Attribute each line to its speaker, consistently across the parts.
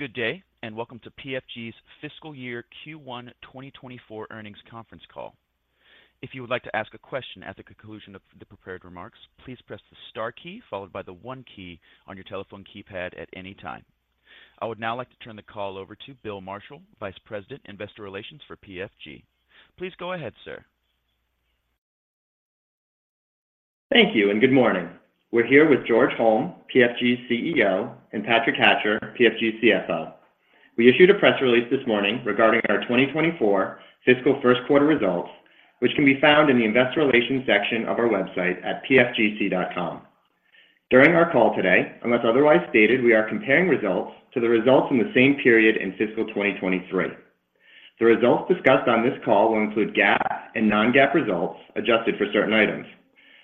Speaker 1: Good day, and welcome to PFG's Fiscal Year Q1 2024 earnings conference call. If you would like to ask a question at the conclusion of the prepared remarks, please press the star key, followed by the one key on your telephone keypad at any time. I would now like to turn the call over to Bill Marshall, Vice President, Investor Relations for PFG. Please go ahead, sir.
Speaker 2: Thank you, and good morning. We're here with George Holm, PFG's CEO, and Patrick Hatcher, PFG's CFO. We issued a press release this morning regarding our 2024 fiscal first quarter results, which can be found in the Investor Relations section of our website at pfgc.com. During our call today, unless otherwise stated, we are comparing results to the results in the same period in fiscal 2023. The results discussed on this call will include GAAP and non-GAAP results adjusted for certain items.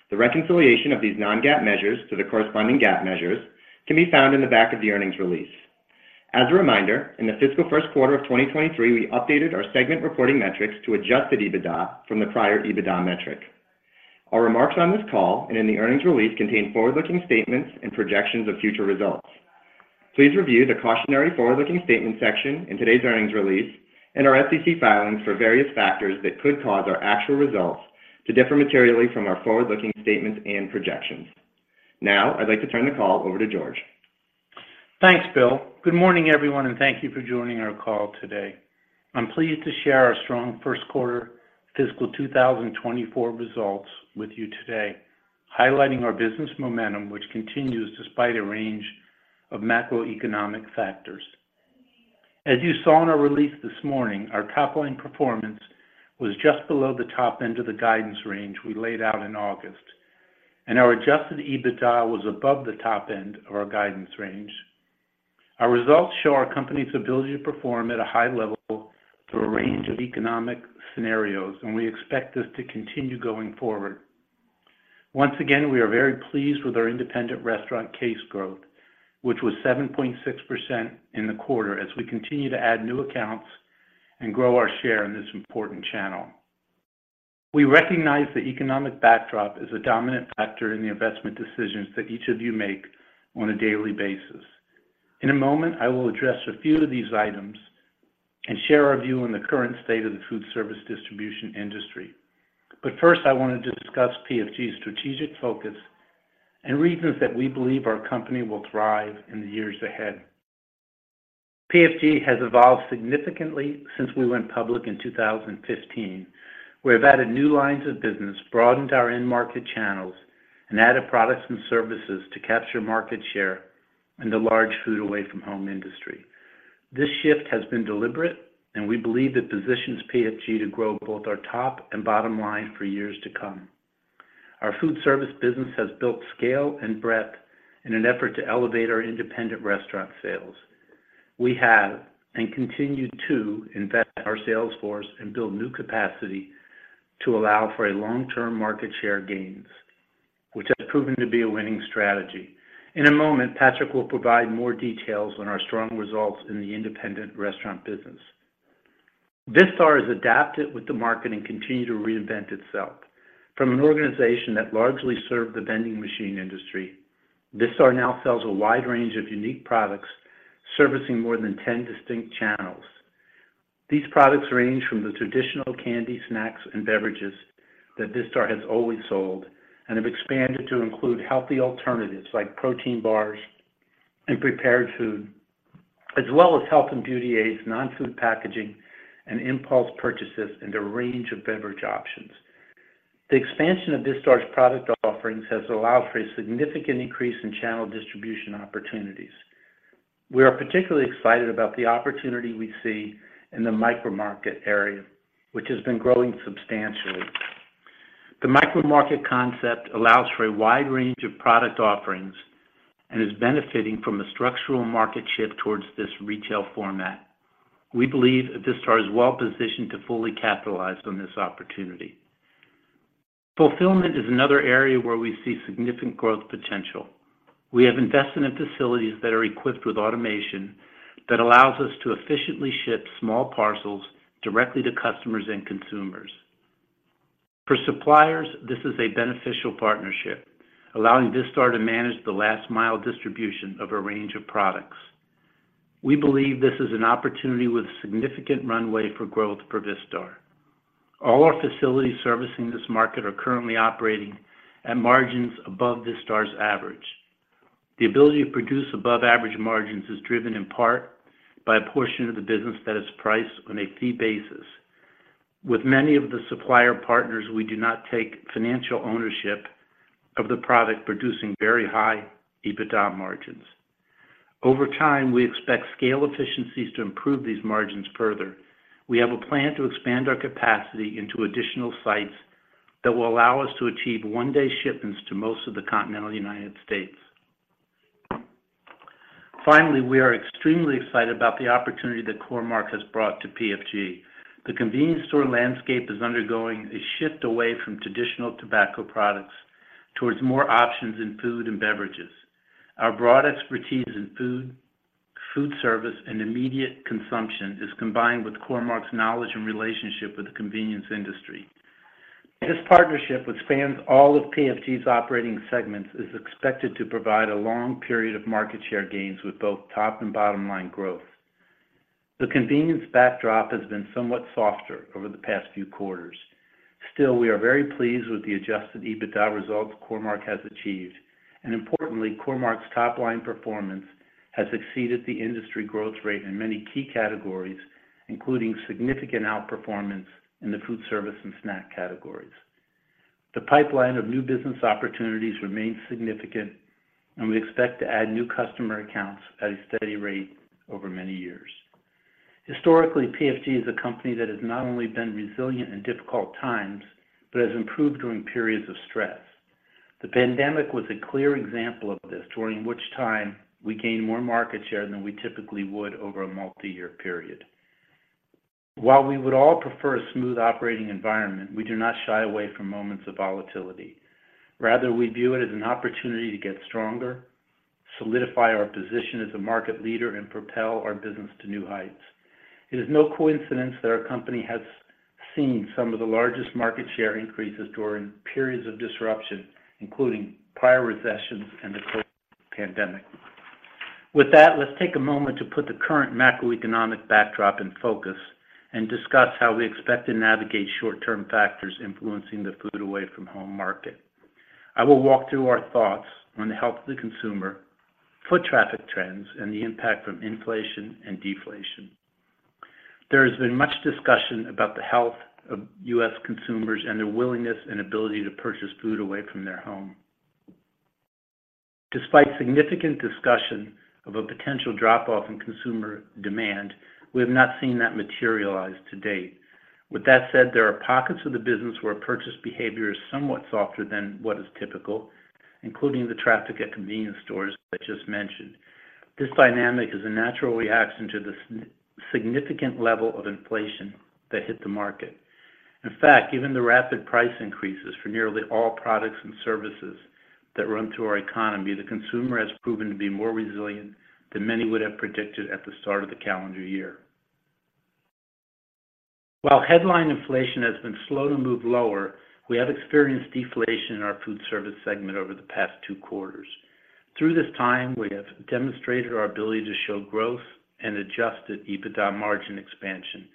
Speaker 2: The reconciliation of these non-GAAP measures to the corresponding GAAP measures can be found in the back of the earnings release. As a reminder, in the fiscal first quarter of 2023, we updated our segment reporting metrics to adjusted EBITDA from the prior EBITDA metric. Our remarks on this call and in the earnings release contain forward-looking statements and projections of future results. Please review the cautionary forward-looking statement section in today's earnings release and our SEC filings for various factors that could cause our actual results to differ materially from our forward-looking statements and projections. Now, I'd like to turn the call over to George.
Speaker 3: Thanks, Bill. Good morning, everyone, and thank you for joining our call today. I'm pleased to share our strong first quarter fiscal 2024 results with you today, highlighting our business momentum, which continues despite a range of macroeconomic factors. As you saw in our release this morning, our top-line performance was just below the top end of the guidance range we laid out in August, and our adjusted EBITDA was above the top end of our guidance range. Our results show our company's ability to perform at a high level through a range of economic scenarios, and we expect this to continue going forward. Once again, we are very pleased with our independent restaurant case growth, which was 7.6% in the quarter as we continue to add new accounts and grow our share in this important channel. We recognize the economic backdrop is a dominant factor in the investment decisions that each of you make on a daily basis. In a moment, I will address a few of these items and share our view on the current state of the food service distribution industry. But first, I want to discuss PFG's strategic focus and reasons that we believe our company will thrive in the years ahead. PFG has evolved significantly since we went public in 2015. We have added new lines of business, broadened our end market channels, and added products and services to capture market share in the large food away from home industry. This shift has been deliberate, and we believe it positions PFG to grow both our top and bottom line for years to come. Our food service business has built scale and breadth in an effort to elevate our independent restaurant sales. We have, and continue to invest in our sales force and build new capacity to allow for a long-term market share gains, which has proven to be a winning strategy. In a moment, Patrick will provide more details on our strong results in the independent restaurant business. Vistar has adapted with the market and continued to reinvent itself. From an organization that largely served the vending machine industry, Vistar now sells a wide range of unique products, servicing more than 10 distinct channels. These products range from the traditional candy, snacks, and beverages that Vistar has always sold and have expanded to include healthy alternatives like protein bars and prepared food, as well as health and beauty aids, non-food packaging, and impulse purchases, and a range of beverage options. The expansion of Vistar's product offerings has allowed for a significant increase in channel distribution opportunities. We are particularly excited about the opportunity we see in the micro market area, which has been growing substantially. The micro market concept allows for a wide range of product offerings and is benefiting from a structural market shift towards this retail format. We believe that Vistar is well positioned to fully capitalize on this opportunity. Fulfillment is another area where we see significant growth potential. We have invested in facilities that are equipped with automation that allows us to efficiently ship small parcels directly to customers and consumers. For suppliers, this is a beneficial partnership, allowing Vistar to manage the last mile distribution of a range of products. We believe this is an opportunity with significant runway for growth for Vistar. All our facilities servicing this market are currently operating at margins above Vistar's average. The ability to produce above average margins is driven in part by a portion of the business that is priced on a fee basis. With many of the supplier partners, we do not take financial ownership of the product, producing very high EBITDA margins. Over time, we expect scale efficiencies to improve these margins further. We have a plan to expand our capacity into additional sites that will allow us to achieve one-day shipments to most of the continental United States. Finally, we are extremely excited about the opportunity that Core-Mark has brought to PFG. The convenience store landscape is undergoing a shift away from traditional tobacco products towards more options in food and beverages. Our broad expertise in food, food service, and immediate consumption is combined with Core-Mark's knowledge and relationship with the convenience industry.... This partnership, which spans all of PFG's operating segments, is expected to provide a long period of market share gains with both top and bottom line growth. The convenience backdrop has been somewhat softer over the past few quarters. Still, we are very pleased with the adjusted EBITDA results Core-Mark has achieved. Importantly, Core-Mark's top-line performance has exceeded the industry growth rate in many key categories, including significant outperformance in the food service and snack categories. The pipeline of new business opportunities remains significant, and we expect to add new customer accounts at a steady rate over many years. Historically, PFG is a company that has not only been resilient in difficult times, but has improved during periods of stress. The pandemic was a clear example of this, during which time we gained more market share than we typically would over a multi-year period. While we would all prefer a smooth operating environment, we do not shy away from moments of volatility. Rather, we view it as an opportunity to get stronger, solidify our position as a market leader, and propel our business to new heights. It is no coincidence that our company has seen some of the largest market share increases during periods of disruption, including prior recessions and the COVID pandemic. With that, let's take a moment to put the current macroeconomic backdrop in focus and discuss how we expect to navigate short-term factors influencing the food away from home market. I will walk through our thoughts on the health of the consumer, foot traffic trends, and the impact from inflation and deflation. There has been much discussion about the health of U.S. consumers and their willingness and ability to purchase food away from their home. Despite significant discussion of a potential drop-off in consumer demand, we have not seen that materialize to date. With that said, there are pockets of the business where purchase behavior is somewhat softer than what is typical, including the traffic at convenience stores I just mentioned. This dynamic is a natural reaction to the significant level of inflation that hit the market. In fact, even the rapid price increases for nearly all products and services that run through our economy, the consumer has proven to be more resilient than many would have predicted at the start of the calendar year. While headline inflation has been slow to move lower, we have experienced deflation in our food service segment over the past two quarters. Through this time, we have demonstrated our ability to show growth and adjusted EBITDA margin expansion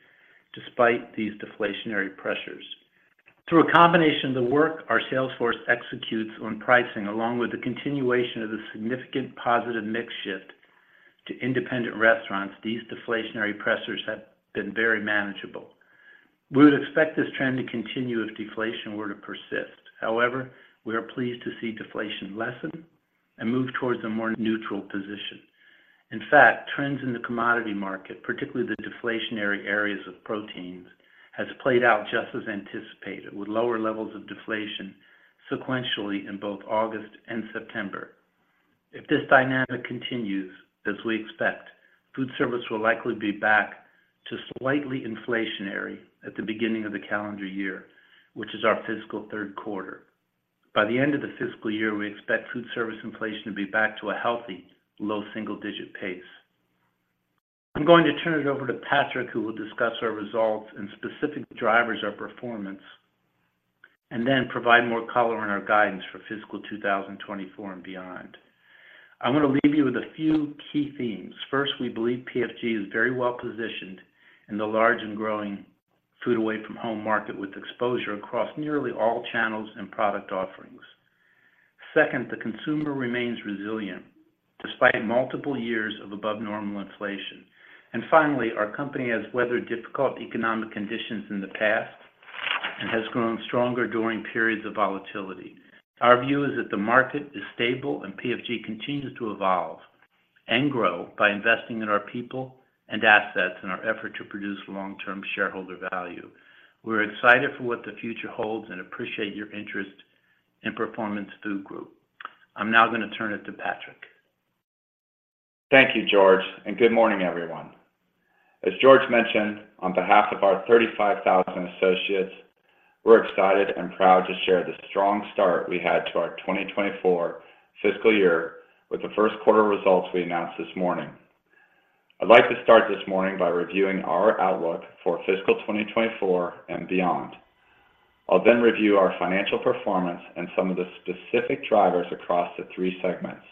Speaker 3: despite these deflationary pressures. Through a combination of the work our sales force executes on pricing, along with the continuation of the significant positive mix shift to independent restaurants, these deflationary pressures have been very manageable. We would expect this trend to continue if deflation were to persist. However, we are pleased to see deflation lessen and move towards a more neutral position. In fact, trends in the commodity market, particularly the deflationary areas of proteins, has played out just as anticipated, with lower levels of deflation sequentially in both August and September. If this dynamic continues, as we expect, food service will likely be back to slightly inflationary at the beginning of the calendar year, which is our fiscal third quarter. By the end of the fiscal year, we expect food service inflation to be back to a healthy, low single-digit pace. I'm going to turn it over to Patrick, who will discuss our results and specific drivers of performance, and then provide more color on our guidance for fiscal 2024 and beyond. I want to leave you with a few key themes. First, we believe PFG is very well-positioned in the large and growing food away from home market, with exposure across nearly all channels and product offerings. Second, the consumer remains resilient despite multiple years of above normal inflation. And finally, our company has weathered difficult economic conditions in the past and has grown stronger during periods of volatility. Our view is that the market is stable, and PFG continues to evolve and grow by investing in our people and assets in our effort to produce long-term shareholder value. We're excited for what the future holds and appreciate your interest in Performance Food Group. I'm now going to turn it to Patrick.
Speaker 4: Thank you, George, and good morning, everyone. As George mentioned, on behalf of our 35,000 associates, we're excited and proud to share the strong start we had to our 2024 fiscal year with the first quarter results we announced this morning. I'd like to start this morning by reviewing our outlook for fiscal 2024 and beyond. I'll then review our financial performance and some of the specific drivers across the three segments.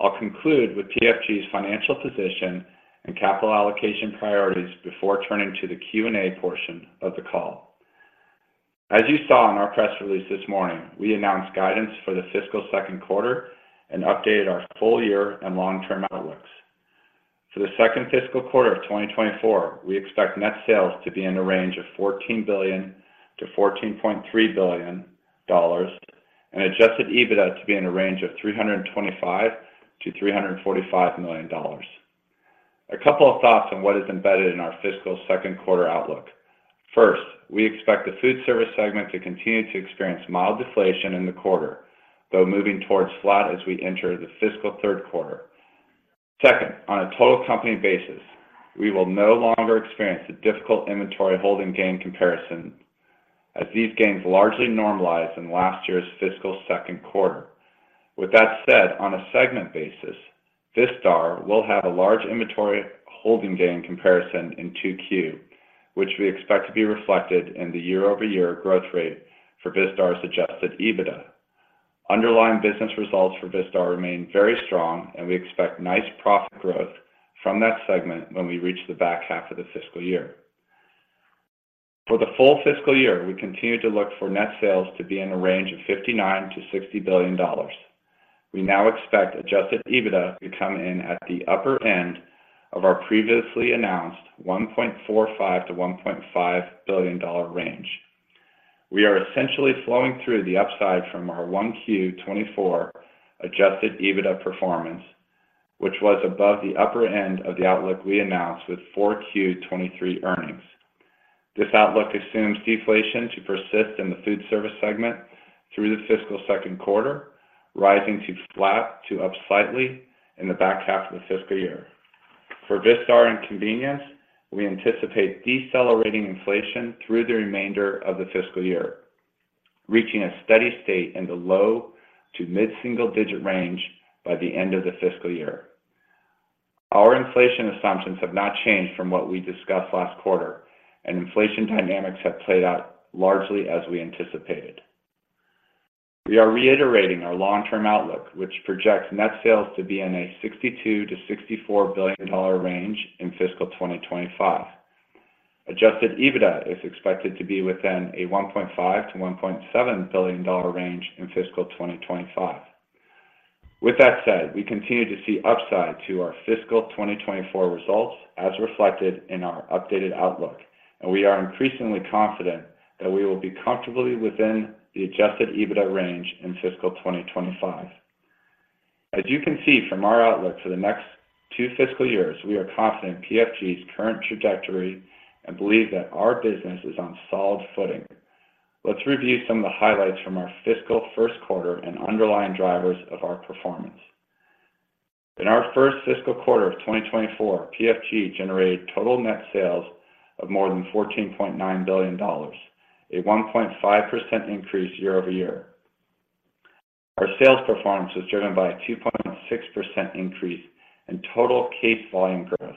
Speaker 4: I'll conclude with PFG's financial position and capital allocation priorities before turning to the Q&A portion of the call. As you saw in our press release this morning, we announced guidance for the fiscal second quarter and updated our full year and long-term outlooks. For the second fiscal quarter of 2024, we expect net sales to be in the range of $14 billion-$14.3 billion and adjusted EBITDA to be in a range of $325 million-$345 million. A couple of thoughts on what is embedded in our fiscal second quarter outlook. First, we expect the food service segment to continue to experience mild deflation in the quarter, though moving towards flat as we enter the fiscal third quarter. Second, on a total company basis, we will no longer experience the difficult inventory holding gain comparison, as these gains largely normalized in last year's fiscal second quarter. With that said, on a segment basis, Vistar will have a large inventory holding gain comparison in 2Q, which we expect to be reflected in the year-over-year growth rate for Vistar's adjusted EBITDA. Underlying business results for Vistar remain very strong, and we expect nice profit growth from that segment when we reach the back half of the fiscal year. For the full fiscal year, we continue to look for net sales to be in a range of $59 billion-$60 billion. We now expect adjusted EBITDA to come in at the upper end of our previously announced $1.45 billion-$1.5 billion range. We are essentially flowing through the upside from our 1Q 2024 adjusted EBITDA performance, which was above the upper end of the outlook we announced with 4Q 2023 earnings. This outlook assumes deflation to persist in the food service segment through the fiscal second quarter, rising to flat to up slightly in the back half of the fiscal year. For Vistar and Convenience, we anticipate decelerating inflation through the remainder of the fiscal year, reaching a steady state in the low to mid-single digit range by the end of the fiscal year. Our inflation assumptions have not changed from what we discussed last quarter, and inflation dynamics have played out largely as we anticipated. We are reiterating our long-term outlook, which projects net sales to be in a $62 billion-$64 billion range in fiscal 2025. Adjusted EBITDA is expected to be within a $1.5 billion-$1.7 billion range in fiscal 2025. With that said, we continue to see upside to our fiscal 2024 results as reflected in our updated outlook, and we are increasingly confident that we will be comfortably within the adjusted EBITDA range in fiscal 2025. As you can see from our outlook for the next two fiscal years, we are confident in PFG's current trajectory and believe that our business is on solid footing. Let's review some of the highlights from our fiscal first quarter and underlying drivers of our performance. In our first fiscal quarter of 2024, PFG generated total net sales of more than $14.9 billion, a 1.5% increase year-over-year. Our sales performance was driven by a 2.6% increase in total case volume growth.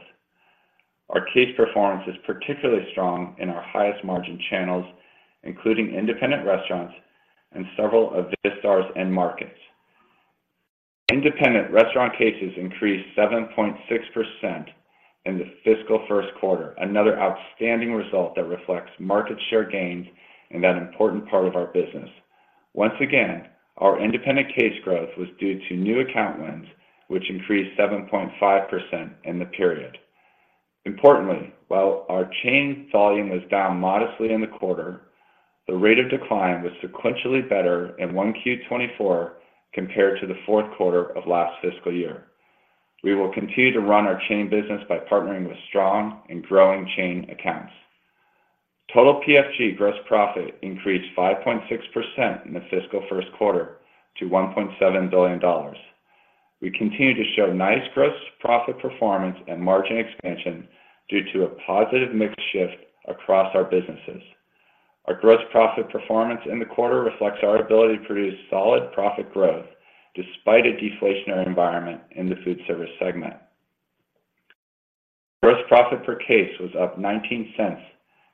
Speaker 4: Our case performance is particularly strong in our highest margin channels, including independent restaurants and several of Vistar's end markets. Independent restaurant cases increased 7.6% in the fiscal first quarter, another outstanding result that reflects market share gains in that important part of our business. Once again, our independent case growth was due to new account wins, which increased 7.5% in the period. Importantly, while our chain volume was down modestly in the quarter, the rate of decline was sequentially better in 1Q 2024 compared to the fourth quarter of last fiscal year. We will continue to run our chain business by partnering with strong and growing chain accounts. Total PFG gross profit increased 5.6% in the fiscal first quarter to $1.7 billion. We continue to show nice gross profit performance and margin expansion due to a positive mix shift across our businesses. Our gross profit performance in the quarter reflects our ability to produce solid profit growth despite a deflationary environment in the food service segment. Gross profit per case was up $0.19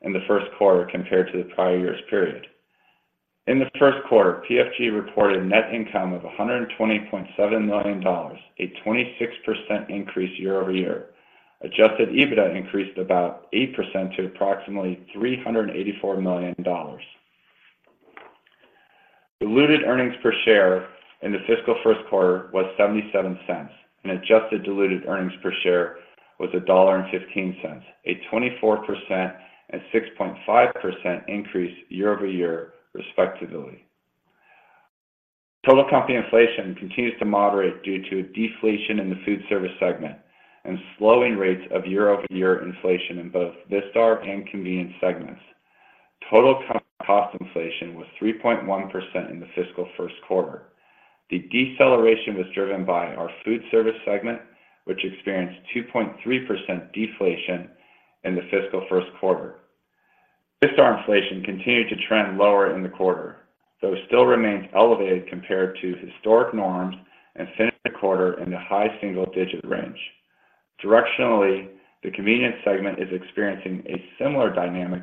Speaker 4: in the first quarter compared to the prior year's period. In the first quarter, PFG reported net income of $120.7 million, a 26% increase year-over-year. Adjusted EBITDA increased about 8% to approximately $384 million. Diluted earnings per share in the fiscal first quarter was $0.77, and adjusted diluted earnings per share was $1.15, a 24% and 6.5% increase year-over-year, respectively. Total company inflation continues to moderate due to deflation in the food service segment and slowing rates of year-over-year inflation in both Vistar and Convenience segments. Total cost inflation was 3.1% in the fiscal first quarter. The deceleration was driven by our food service segment, which experienced 2.3% deflation in the fiscal first quarter. Vistar inflation continued to trend lower in the quarter, though still remains elevated compared to historic norms and finished the quarter in the high single-digit range. Directionally, the convenience segment is experiencing a similar dynamic,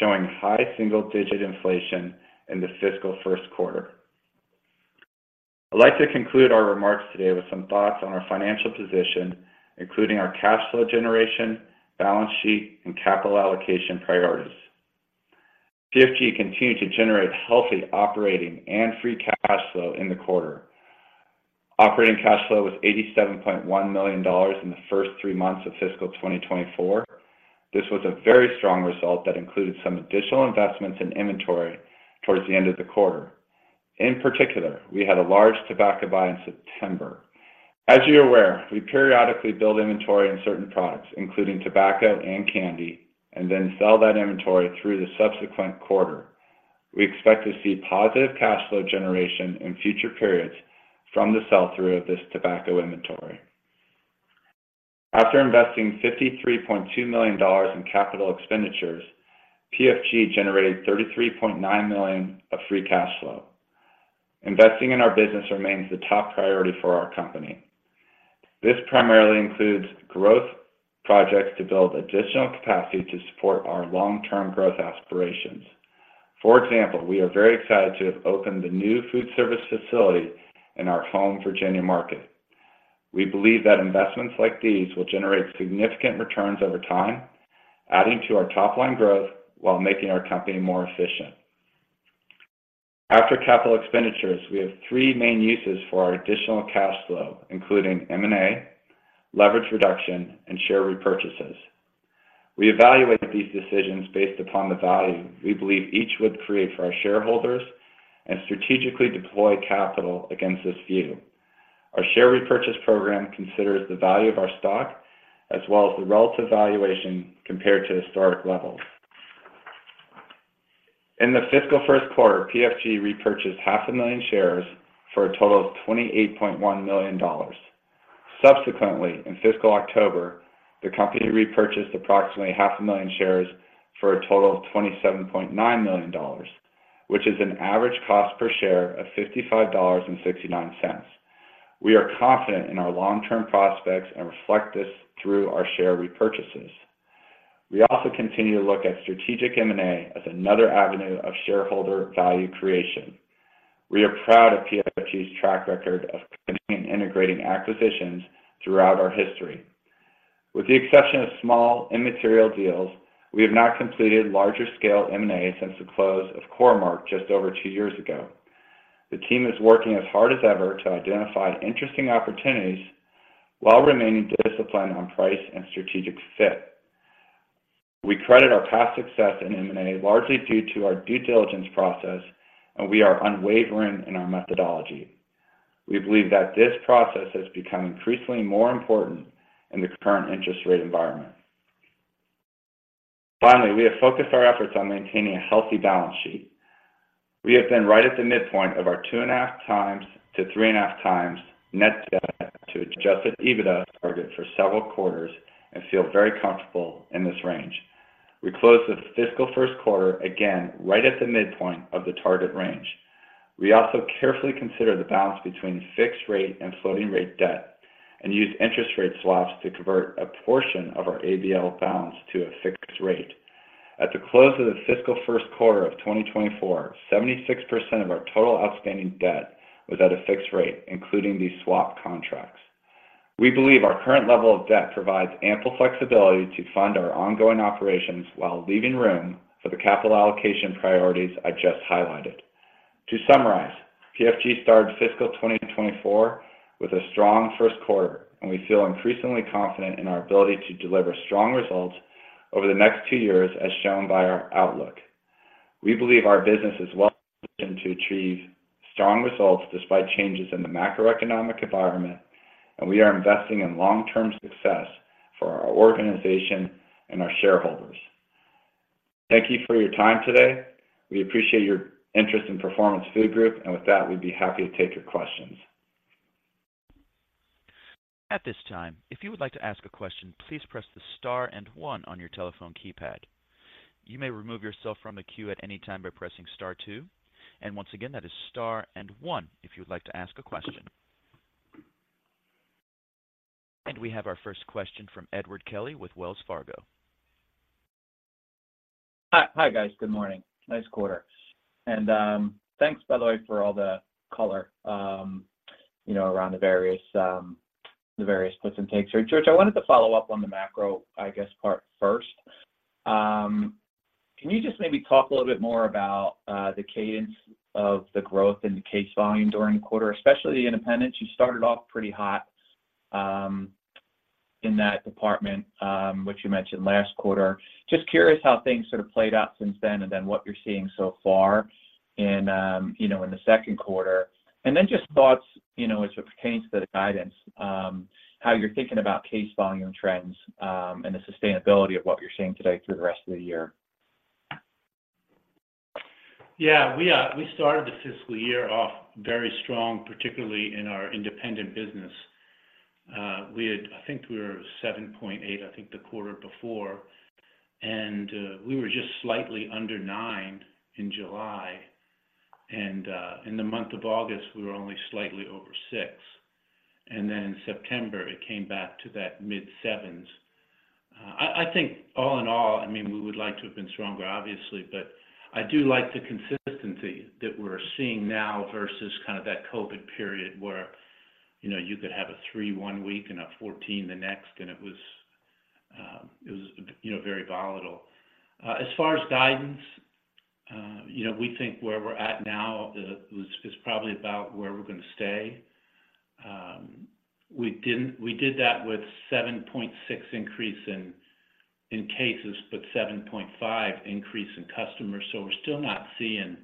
Speaker 4: showing high single-digit inflation in the fiscal first quarter. I'd like to conclude our remarks today with some thoughts on our financial position, including our cash flow generation, balance sheet, and capital allocation priorities. PFG continued to generate healthy operating and free cash flow in the quarter. Operating cash flow was $87.1 million in the first three months of fiscal 2024. This was a very strong result that included some additional investments in inventory towards the end of the quarter. In particular, we had a large tobacco buy in September. As you're aware, we periodically build inventory in certain products, including tobacco and candy, and then sell that inventory through the subsequent quarter. We expect to see positive cash flow generation in future periods from the sell-through of this tobacco inventory. After investing $53.2 million in capital expenditures, PFG generated $33.9 million of free cash flow. Investing in our business remains the top priority for our company. This primarily includes growth projects to build additional capacity to support our long-term growth aspirations. For example, we are very excited to have opened the new food service facility in our home Virginia market. We believe that investments like these will generate significant returns over time, adding to our top line growth while making our company more efficient. After capital expenditures, we have three main uses for our additional cash flow, including M&A, leverage reduction, and share repurchases. We evaluate these decisions based upon the value we believe each would create for our shareholders and strategically deploy capital against this view. Our share repurchase program considers the value of our stock, as well as the relative valuation compared to historic levels. In the fiscal first quarter, PFG repurchased 500,000 shares for a total of $28.1 million. Subsequently, in fiscal October, the company repurchased approximately 500,000 shares for a total of $27.9 million, which is an average cost per share of $55.69. We are confident in our long-term prospects and reflect this through our share repurchases. We also continue to look at strategic M&A as another avenue of shareholder value creation. We are proud of PFG's track record of continuing integrating acquisitions throughout our history. With the exception of small, immaterial deals, we have not completed larger scale M&A since the close of Core-Mark just over two years ago. The team is working as hard as ever to identify interesting opportunities while remaining disciplined on price and strategic fit. We credit our past success in M&A largely due to our due diligence process, and we are unwavering in our methodology. We believe that this process has become increasingly more important in the current interest rate environment. Finally, we have focused our efforts on maintaining a healthy balance sheet. We have been right at the midpoint of our 2.5x-3.5x net debt to adjusted EBITDA target for several quarters and feel very comfortable in this range. We closed the fiscal first quarter, again, right at the midpoint of the target range. We also carefully consider the balance between fixed rate and floating rate debt, and use interest rate swaps to convert a portion of our ABL balance to a fixed rate. At the close of the fiscal first quarter of 2024, 76% of our total outstanding debt was at a fixed rate, including these swap contracts. We believe our current level of debt provides ample flexibility to fund our ongoing operations while leaving room for the capital allocation priorities I just highlighted. To summarize, PFG started fiscal 2024 with a strong first quarter, and we feel increasingly confident in our ability to deliver strong results over the next 2 years, as shown by our outlook. We believe our business is well-positioned to achieve strong results despite changes in the macroeconomic environment, and we are investing in long-term success for our organization and our shareholders. Thank you for your time today. We appreciate your interest in Performance Food Group, and with that, we'd be happy to take your questions.
Speaker 1: At this time, if you would like to ask a question, please press the star and one on your telephone keypad. You may remove yourself from the queue at any time by pressing star two. Once again, that is star and one if you would like to ask a question. We have our first question from Edward Kelly with Wells Fargo.
Speaker 5: Hi, hi, guys. Good morning. Nice quarter. Thanks, by the way, for all the color, you know, around the various, the various gives and takes. So George, I wanted to follow up on the macro, I guess, part first. Can you just maybe talk a little bit more about the cadence of the growth in the case volume during the quarter, especially the independents? You started off pretty hot, in that department, which you mentioned last quarter. Just curious how things sort of played out since then, and then what you're seeing so far in, you know, in the second quarter. Then just thoughts, you know, as it pertains to the guidance, how you're thinking about case volume trends, and the sustainability of what you're seeing today through the rest of the year.
Speaker 3: Yeah, we, we started the fiscal year off very strong, particularly in our independent business. We had. I think we were 7.8, I think, the quarter before, and, we were just slightly under nine in July. In the month of August, we were only slightly over six, and then in September, it came back to that mid-7s. I think all in all, I mean, we would like to have been stronger, obviously, but I do like the consistency that we're seeing now versus kind of that COVID period where, you know, you could have a three one week and a 14 the next, and it was, you know, very volatile. As far as guidance, you know, we think where we're at now is, is probably about where we're gonna stay. We didn't, we did that with 7.6 increase in cases, but 7.5 increase in customers. So we're still not seeing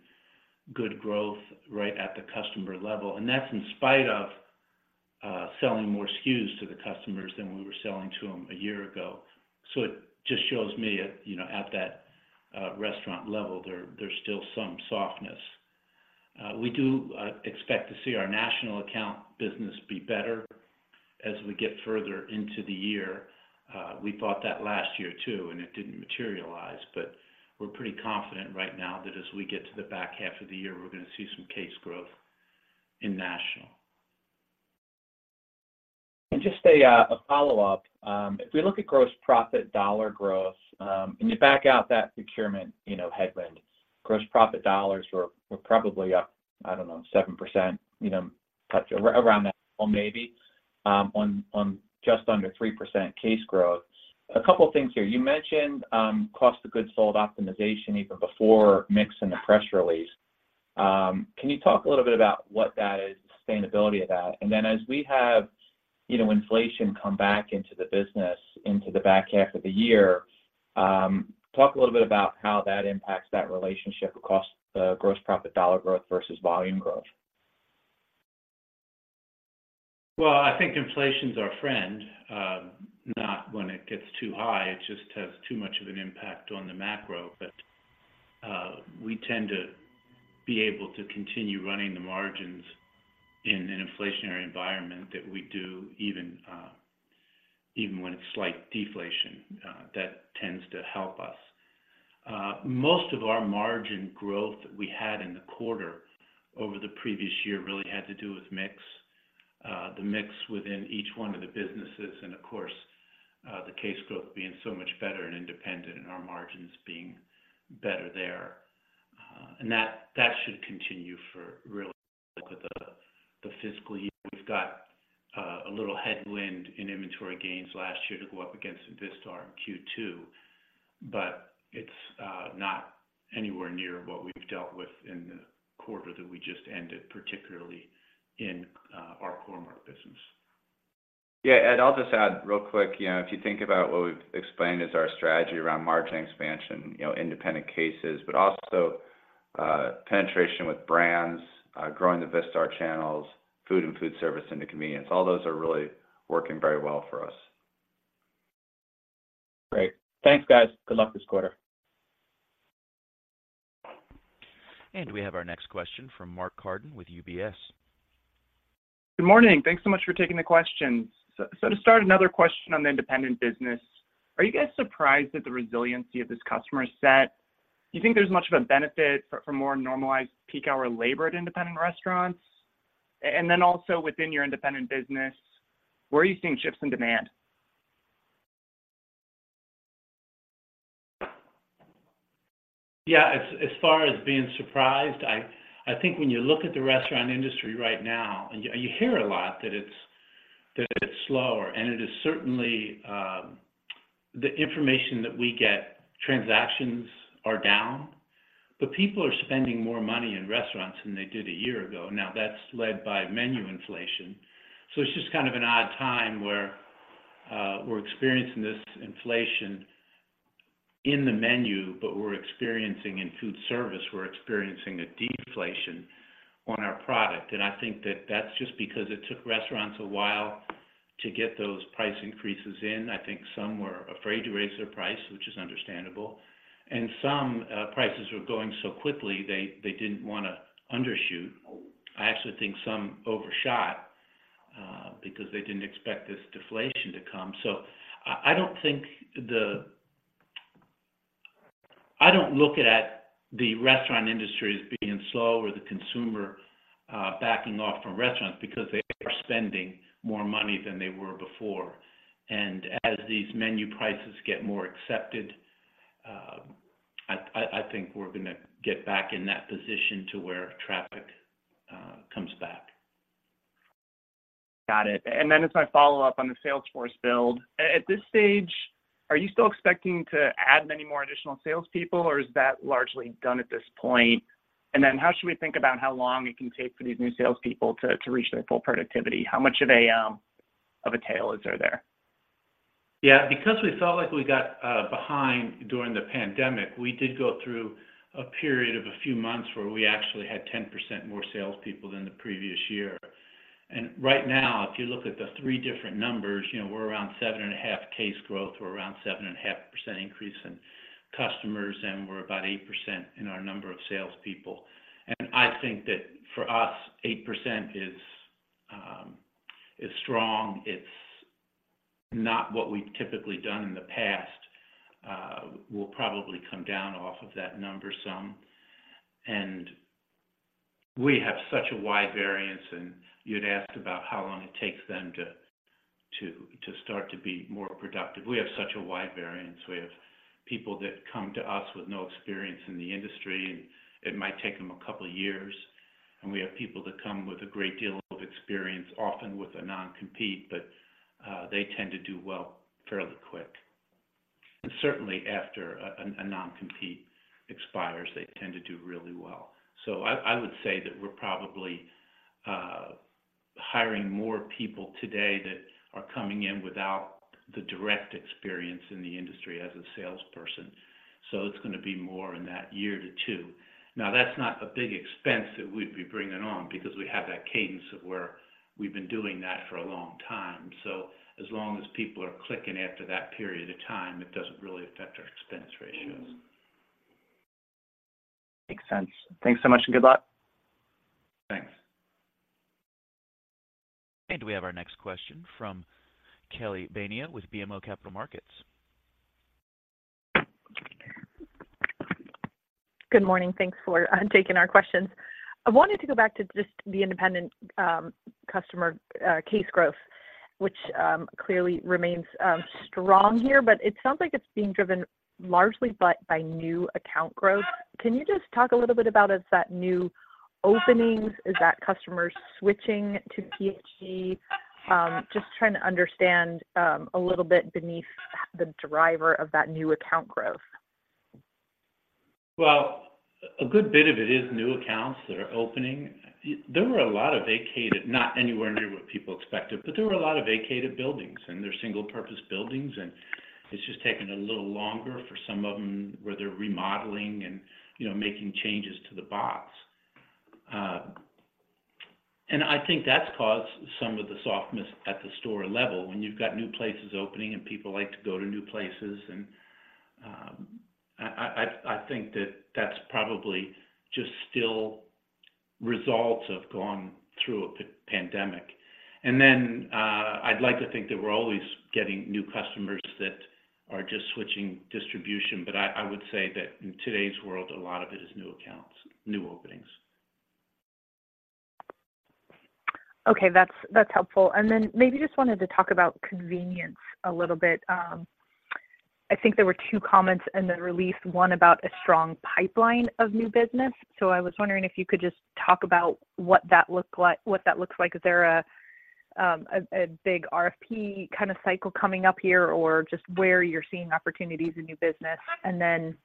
Speaker 3: good growth right at the customer level, and that's in spite of selling more SKUs to the customers than we were selling to them a year ago. So it just shows me, you know, at that restaurant level, there's still some softness.... We do expect to see our national account business be better as we get further into the year. We thought that last year, too, and it didn't materialize, but we're pretty confident right now that as we get to the back half of the year, we're gonna see some case growth in national.
Speaker 5: Just a follow-up. If we look at gross profit dollar growth, and you back out that procurement, you know, headwind, gross profit dollars were probably up, I don't know, 7%, you know, touch around that, maybe, on just under 3% case growth. A couple things here. You mentioned cost of goods sold optimization even before mix in the press release. Can you talk a little bit about what that is, sustainability of that? And then as we have, you know, inflation come back into the business into the back half of the year, talk a little bit about how that impacts that relationship across the gross profit dollar growth versus volume growth.
Speaker 3: Well, I think inflation's our friend. Not when it gets too high, it just has too much of an impact on the macro. But we tend to be able to continue running the margins in an inflationary environment that we do even when it's slight deflation, that tends to help us. Most of our margin growth that we had in the quarter over the previous year really had to do with mix. The mix within each one of the businesses, and of course, the case growth being so much better and independent and our margins being better there. And that should continue for really the fiscal year. We've got a little headwind in inventory gains last year to go up against Vistar in Q2, but it's not anywhere near what we've dealt with in the quarter that we just ended, particularly in our Core-Mark business.
Speaker 4: Yeah, Ed, I'll just add real quick. You know, if you think about what we've explained as our strategy around margin expansion, you know, independent cases, but also, penetration with brands, growing the Vistar channels, food and food service into convenience, all those are really working very well for us.
Speaker 5: Great. Thanks, guys. Good luck this quarter.
Speaker 1: We have our next question from Mark Carden with UBS.
Speaker 6: Good morning. Thanks so much for taking the questions. So, to start another question on the independent business, are you guys surprised at the resiliency of this customer set? Do you think there's much of a benefit for more normalized peak hour labor at independent restaurants? And then also within your independent business, where are you seeing shifts in demand?
Speaker 3: Yeah, as far as being surprised, I think when you look at the restaurant industry right now, and you hear a lot that it's that it's slower, and it is certainly the information that we get, transactions are down, but people are spending more money in restaurants than they did a year ago. Now, that's led by menu inflation. So it's just kind of an odd time where we're experiencing this inflation in the menu, but we're experiencing, in food service, a deflation on our product. And I think that's just because it took restaurants a while to get those price increases in. I think some were afraid to raise their price, which is understandable, and some prices were going so quickly, they didn't wanna undershoot. I actually think some overshot because they didn't expect this deflation to come. I don't look at the restaurant industry as being slow or the consumer backing off from restaurants because they are spending more money than they were before. As these menu prices get more accepted, I think we're gonna get back in that position to where traffic comes back.
Speaker 6: Got it. And then as I follow up on the salesforce build, at this stage, are you still expecting to add many more additional salespeople, or is that largely done at this point? And then how should we think about how long it can take for these new salespeople to reach their full productivity? How much of a, of a tail is there?
Speaker 3: Yeah, because we felt like we got behind during the pandemic, we did go through a period of a few months where we actually had 10% more salespeople than the previous year. And right now, if you look at the three different numbers, you know, we're around 7.5 case growth, we're around 7.5% increase in customers, and we're about 8% in our number of salespeople. And I think that for us, 8% is strong. It's not what we've typically done in the past. We'll probably come down off of that number some. And we have such a wide variance, and you'd asked about how long it takes them to start to be more productive. We have such a wide variance. We have people that come to us with no experience in the industry, and it might take them a couple of years. And we have people that come with a great deal of experience, often with a non-compete, but they tend to do well fairly quick. And certainly after a non-compete expires, they tend to do really well. So I would say that we're probably hiring more people today that are coming in without the direct experience in the industry as a salesperson, so it's gonna be more in that year to two. Now, that's not a big expense that we'd be bringing on because we have that cadence of where we've been doing that for a long time. So as long as people are clicking after that period of time, it doesn't really affect our expense ratios.
Speaker 6: Makes sense. Thanks so much, and good luck.
Speaker 3: Thanks....
Speaker 1: And we have our next question from Kelly Bania with BMO Capital Markets.
Speaker 7: Good morning. Thanks for taking our questions. I wanted to go back to just the independent customer case growth, which clearly remains strong here, but it sounds like it's being driven largely by new account growth. Can you just talk a little bit about, is that new openings? Is that customers switching to PFG? Just trying to understand a little bit beneath the driver of that new account growth.
Speaker 3: Well, a good bit of it is new accounts that are opening. There were a lot of vacated, not anywhere near what people expected, but there were a lot of vacated buildings, and they're single-purpose buildings, and it's just taken a little longer for some of them where they're remodeling and, you know, making changes to the box. And I think that's caused some of the softness at the store level. When you've got new places opening and people like to go to new places, and I think that that's probably just still results of going through a pandemic. And then, I'd like to think that we're always getting new customers that are just switching distribution, but I would say that in today's world, a lot of it is new accounts, new openings.
Speaker 7: Okay, that's, that's helpful. And then maybe just wanted to talk about convenience a little bit. I think there were two comments in the release, one about a strong pipeline of new business. So I was wondering if you could just talk about what that looks like. Is there a big RFP kind of cycle coming up here, or just where you're seeing opportunities in new business? And then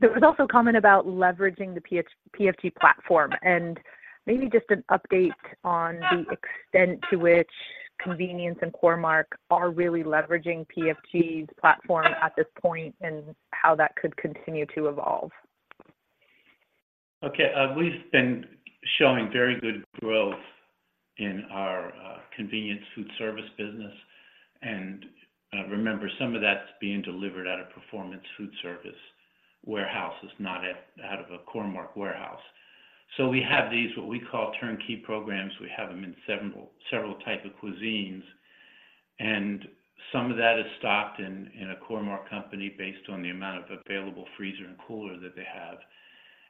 Speaker 7: there was also a comment about leveraging the PFG platform, and maybe just an update on the extent to which convenience and Core-Mark are really leveraging PFG's platform at this point, and how that could continue to evolve.
Speaker 3: Okay, we've been showing very good growth in our convenience food service business, and remember, some of that's being delivered at a Performance Foodservice warehouse. It's not out of a Core-Mark warehouse. So we have these, what we call turnkey programs. We have them in several type of cuisines, and some of that is stocked in a Core-Mark company based on the amount of available freezer and cooler that they have.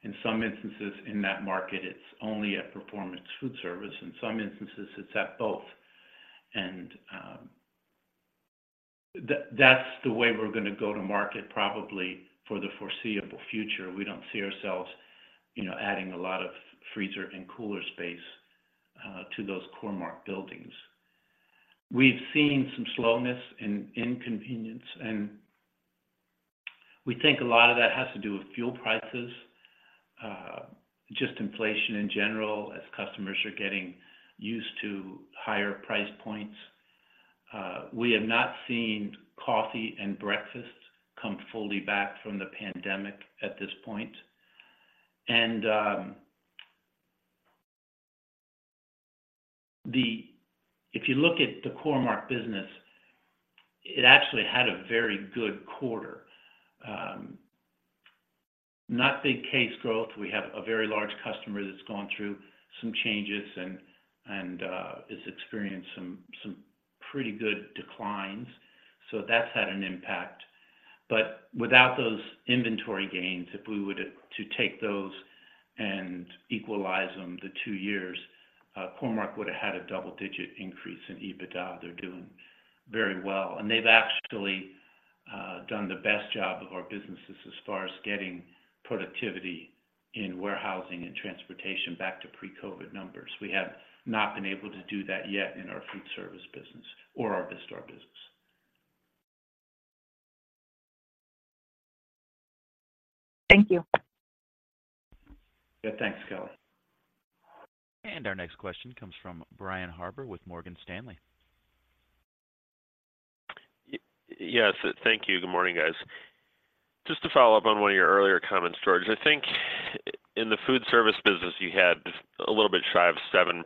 Speaker 3: In some instances, in that market, it's only at Performance Foodservice, and some instances it's at both. And that's the way we're gonna go to market probably for the foreseeable future. We don't see ourselves, you know, adding a lot of freezer and cooler space to those Core-Mark buildings. We've seen some slowness in convenience, and we think a lot of that has to do with fuel prices, just inflation in general, as customers are getting used to higher price points. We have not seen coffee and breakfast come fully back from the pandemic at this point. And if you look at the Core-Mark business, it actually had a very good quarter. Not big case growth. We have a very large customer that's gone through some changes and is experiencing some pretty good declines, so that's had an impact. But without those inventory gains, if we were to take those and equalize them, the two years, Core-Mark would have had a double-digit increase in EBITDA. They're doing very well, and they've actually done the best job of our businesses as far as getting productivity in warehousing and transportation back to pre-COVID numbers. We have not been able to do that yet in our food service business or our Vistar business.
Speaker 7: Thank you.
Speaker 3: Yeah. Thanks, Kelly.
Speaker 1: Our next question comes from Brian Harbour with Morgan Stanley.
Speaker 8: Yes, thank you. Good morning, guys. Just to follow up on one of your earlier comments, George, I think in the food service business, you had a little bit shy of 7%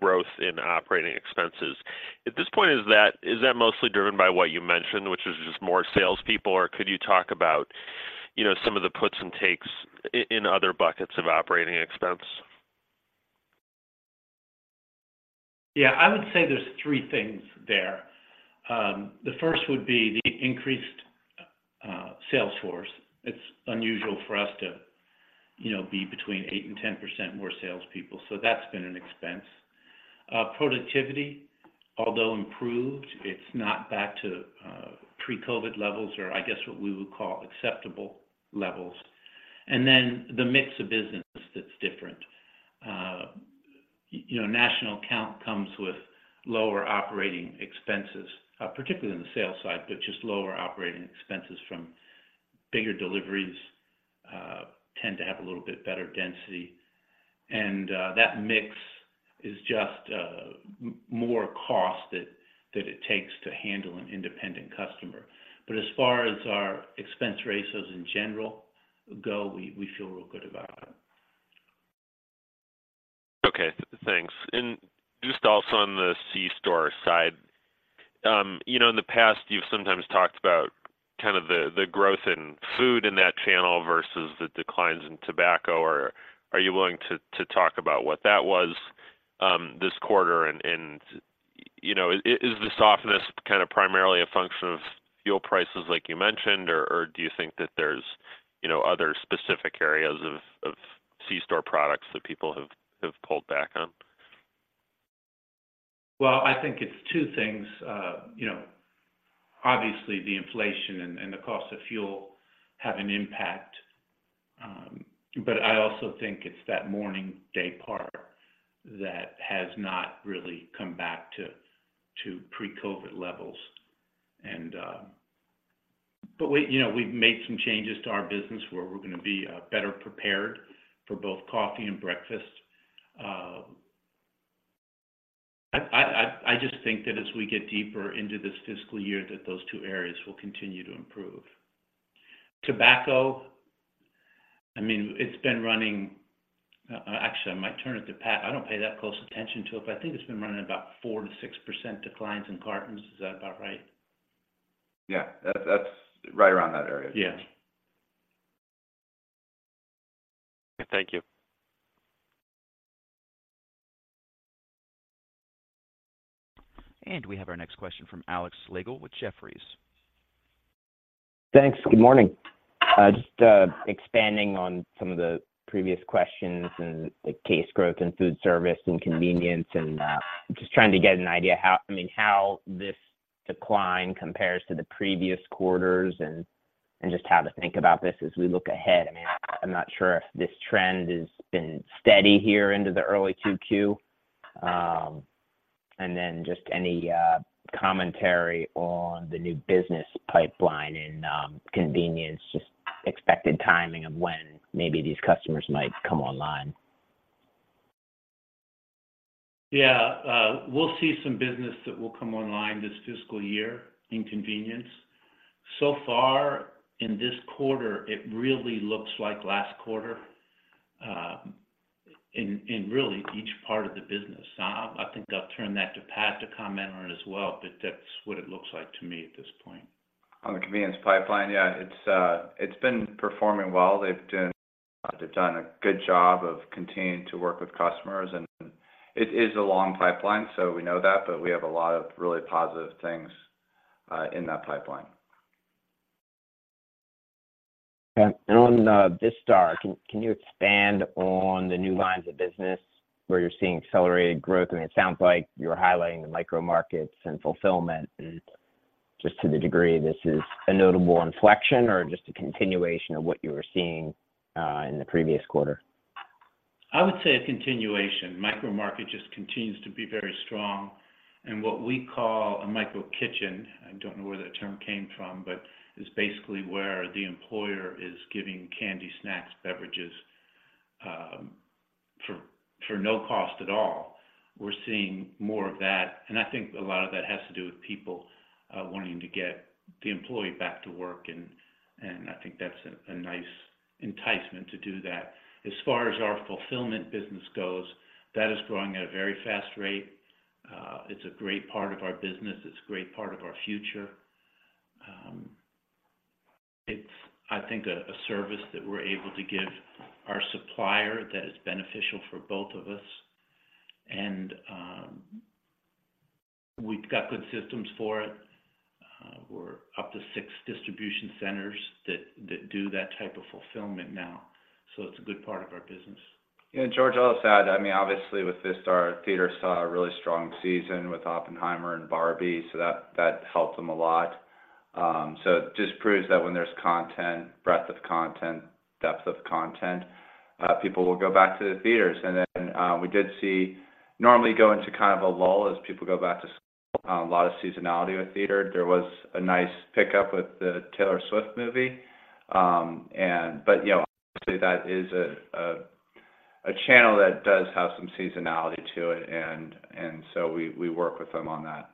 Speaker 8: growth in operating expenses. At this point, is that, is that mostly driven by what you mentioned, which is just more salespeople? Or could you talk about, you know, some of the puts and takes in other buckets of operating expense?
Speaker 3: Yeah, I would say there's three things there. The first would be the increased sales force. It's unusual for us to, you know, be between 8% and 10% more salespeople, so that's been an expense. Productivity, although improved, it's not back to pre-COVID levels or I guess what we would call acceptable levels. And then the mix of business that's different. You know, national account comes with lower operating expenses, particularly in the sales side, but just lower operating expenses from bigger deliveries tend to have a little bit better density. And that mix is just more cost that it takes to handle an independent customer. But as far as our expense ratios in general go, we feel real good about them.
Speaker 8: Okay, thanks. And just also on the C-Store side- You know, in the past, you've sometimes talked about kind of the growth in food in that channel versus the declines in tobacco, or are you willing to talk about what that was this quarter? And, you know, is the softness kind of primarily a function of fuel prices like you mentioned, or do you think that there's, you know, other specific areas of C-Store products that people have pulled back on?
Speaker 3: Well, I think it's two things. You know, obviously, the inflation and, and the cost of fuel have an impact, but I also think it's that morning day part that has not really come back to, to pre-COVID levels. And, but we-- you know, we've made some changes to our business where we're gonna be, better prepared for both coffee and breakfast. I, I, I just think that as we get deeper into this fiscal year, that those two areas will continue to improve. Tobacco, I mean, it's been running... Actually, I might turn it to Pat. I don't pay that close attention to it, but I think it's been running about 4%-6% declines in cartons. Is that about right?
Speaker 4: Yeah, that's, that's right around that area.
Speaker 3: Yes.
Speaker 8: Thank you.
Speaker 1: We have our next question from Alex Slagle with Jefferies.
Speaker 9: Thanks. Good morning. Just expanding on some of the previous questions and the case growth in food service and convenience, and just trying to get an idea how—I mean, how this decline compares to the previous quarters and just how to think about this as we look ahead. I mean, I'm not sure if this trend has been steady here into the early 2Q. And then just any commentary on the new business pipeline in convenience, just expected timing of when maybe these customers might come online.
Speaker 3: Yeah. We'll see some business that will come online this fiscal year in convenience. So far, in this quarter, it really looks like last quarter, in really each part of the business. I think I'll turn that to Pat to comment on it as well, but that's what it looks like to me at this point.
Speaker 4: On the convenience pipeline, yeah, it's been performing well. They've done a good job of continuing to work with customers, and it is a long pipeline, so we know that, but we have a lot of really positive things in that pipeline.
Speaker 9: Okay. And on Vistar, can you expand on the new lines of business where you're seeing accelerated growth? I mean, it sounds like you're highlighting the micro markets and fulfillment, and just to the degree this is a notable inflection or just a continuation of what you were seeing in the previous quarter?
Speaker 3: I would say a continuation. Micro market just continues to be very strong. And what we call a micro kitchen, I don't know where that term came from, but it's basically where the employer is giving candy, snacks, beverages, for no cost at all. We're seeing more of that, and I think a lot of that has to do with people wanting to get the employee back to work, and I think that's a nice enticement to do that. As far as our fulfillment business goes, that is growing at a very fast rate. It's a great part of our business. It's a great part of our future. It's, I think, a service that we're able to give our supplier that is beneficial for both of us, and we've got good systems for it. We're up to six distribution centers that do that type of fulfillment now, so it's a good part of our business.
Speaker 4: Yeah, George, I'll just add, I mean, obviously with Vistar, theaters saw a really strong season with Oppenheimer and Barbie, so that, that helped them a lot. So it just proves that when there's content, breadth of content, depth of content, people will go back to the theaters. And then, we did see normally go into kind of a lull as people go back to school, a lot of seasonality with theater. There was a nice pickup with the Taylor Swift movie. And but, you know, obviously, that is a, a, a channel that does have some seasonality to it, and, and so we, we work with them on that.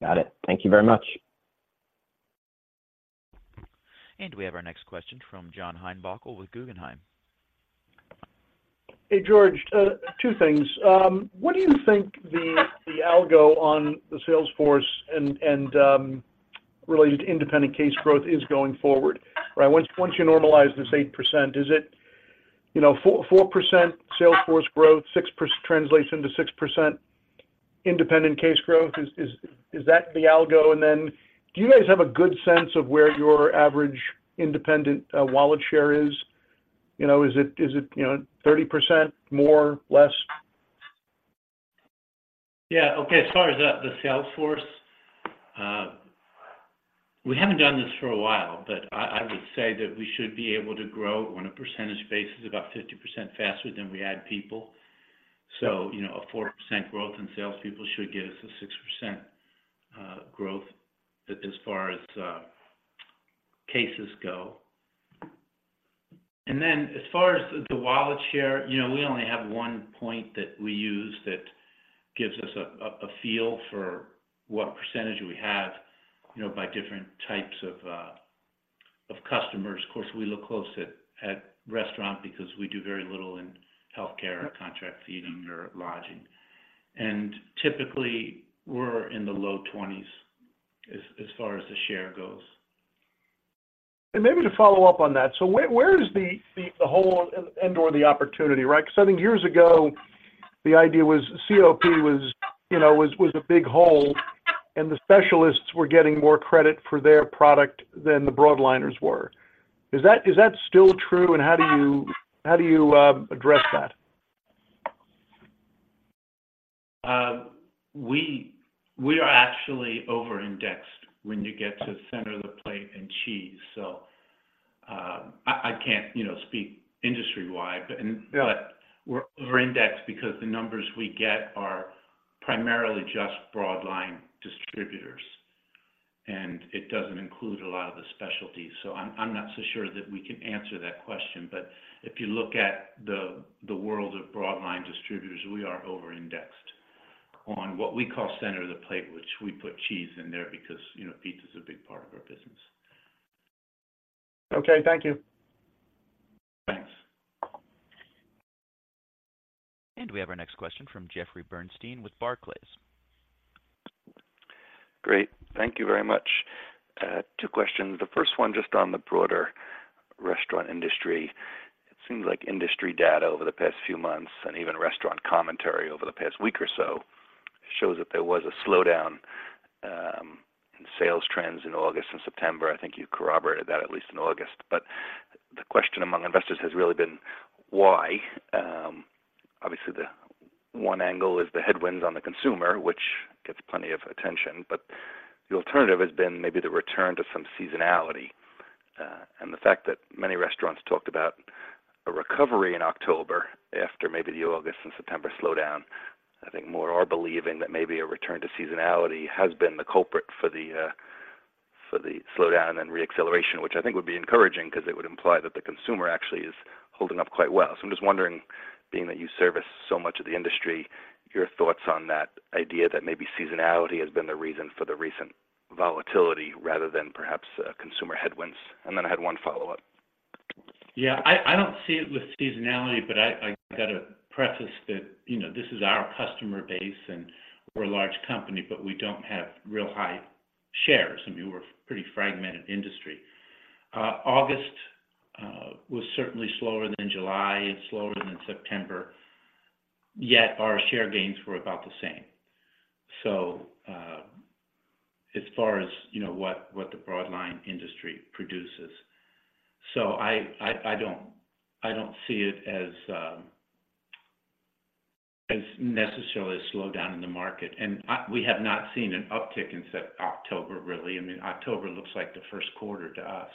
Speaker 9: Got it. Thank you very much.
Speaker 1: We have our next question from John Heinbockel with Guggenheim.
Speaker 10: Hey, George, two things. What do you think the algo on the sales force and related independent case growth is going forward? Right, once you normalize this 8%, is it, you know, 4% sales force growth, 6% translates into 6% independent case growth? Is that the algo? And then do you guys have a good sense of where your average independent wallet share is? You know, is it 30% more, less?
Speaker 3: Yeah. Okay, as far as the sales force, we haven't done this for a while, but I would say that we should be able to grow on a percentage basis about 50% faster than we add people. So, you know, a 4% growth in salespeople should get us a 6% growth as far as cases go. And then as far as the wallet share, you know, we only have one point that we use that gives us a feel for what percentage we have, you know, by different types of customers. Of course, we look close at restaurant because we do very little in healthcare or contract feeding or lodging. And typically, we're in the low 20s as far as the share goes.
Speaker 10: And maybe to follow up on that, so where is the hole and or the opportunity, right? Because I think years ago, the idea was COP was, you know, a big hole, and the specialists were getting more credit for their product than the broadliners were. Is that still true, and how do you address that?
Speaker 3: We are actually over-indexed when you get to the center of the plate and cheese. So, I can't, you know, speak industry-wide, but-
Speaker 10: Right...
Speaker 3: we're over-indexed because the numbers we get are primarily just broadline distributors, and it doesn't include a lot of the specialties. So I'm not so sure that we can answer that question, but if you look at the world of broadline distributors, we are over-indexed on what we call center of the plate, which we put cheese in there because, you know, pizza is a big part of our business.
Speaker 10: Okay, thank you.
Speaker 3: Thanks.
Speaker 1: We have our next question from Jeffrey Bernstein with Barclays.
Speaker 11: Great. Thank you very much. Two questions. The first one, just on the broader restaurant industry. It seems like industry data over the past few months, and even restaurant commentary over the past week or so, shows that there was a slowdown in sales trends in August and September. I think you corroborated that, at least in August. But the question among investors has really been, why? Obviously, the one angle is the headwinds on the consumer, which gets plenty of attention, but the alternative has been maybe the return to some seasonality. And the fact that many restaurants talked about a recovery in October after maybe the August and September slowdown, I think more are believing that maybe a return to seasonality has been the culprit for the slowdown and reacceleration, which I think would be encouraging because it would imply that the consumer actually is holding up quite well. So I'm just wondering, being that you service so much of the industry, your thoughts on that idea that maybe seasonality has been the reason for the recent volatility rather than perhaps consumer headwinds. And then I had one follow-up.
Speaker 3: Yeah, I don't see it with seasonality, but I gotta preface that, you know, this is our customer base, and we're a large company, but we don't have real high shares. I mean, we're a pretty fragmented industry. August was certainly slower than July and slower than in September, yet our share gains were about the same. So, as far as, you know, what the broadline industry produces. So I don't see it as necessarily a slowdown in the market, and we have not seen an uptick since October, really. I mean, October looks like the first quarter to us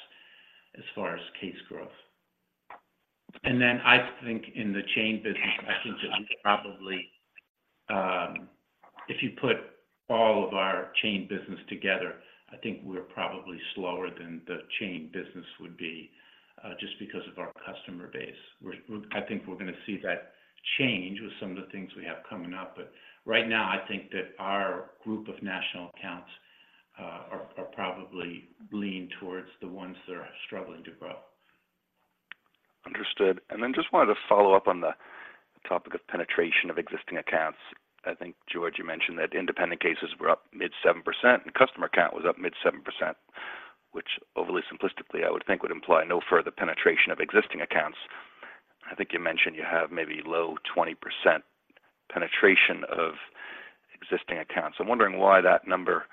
Speaker 3: as far as case growth. And then I think in the chain business, I think that we probably, if you put all of our chain business together, I think we're probably slower than the chain business would be, just because of our customer base. We're I think we're going to see that change with some of the things we have coming up, but right now, I think that our group of national accounts are probably leaned towards the ones that are struggling to grow.
Speaker 11: Understood. Then just wanted to follow up on the topic of penetration of existing accounts. I think, George, you mentioned that independent cases were up mid-7%, and customer count was up mid-7%, which overly simplistically, I would think would imply no further penetration of existing accounts. I think you mentioned you have maybe low-20% penetration of existing accounts. I'm wondering why that number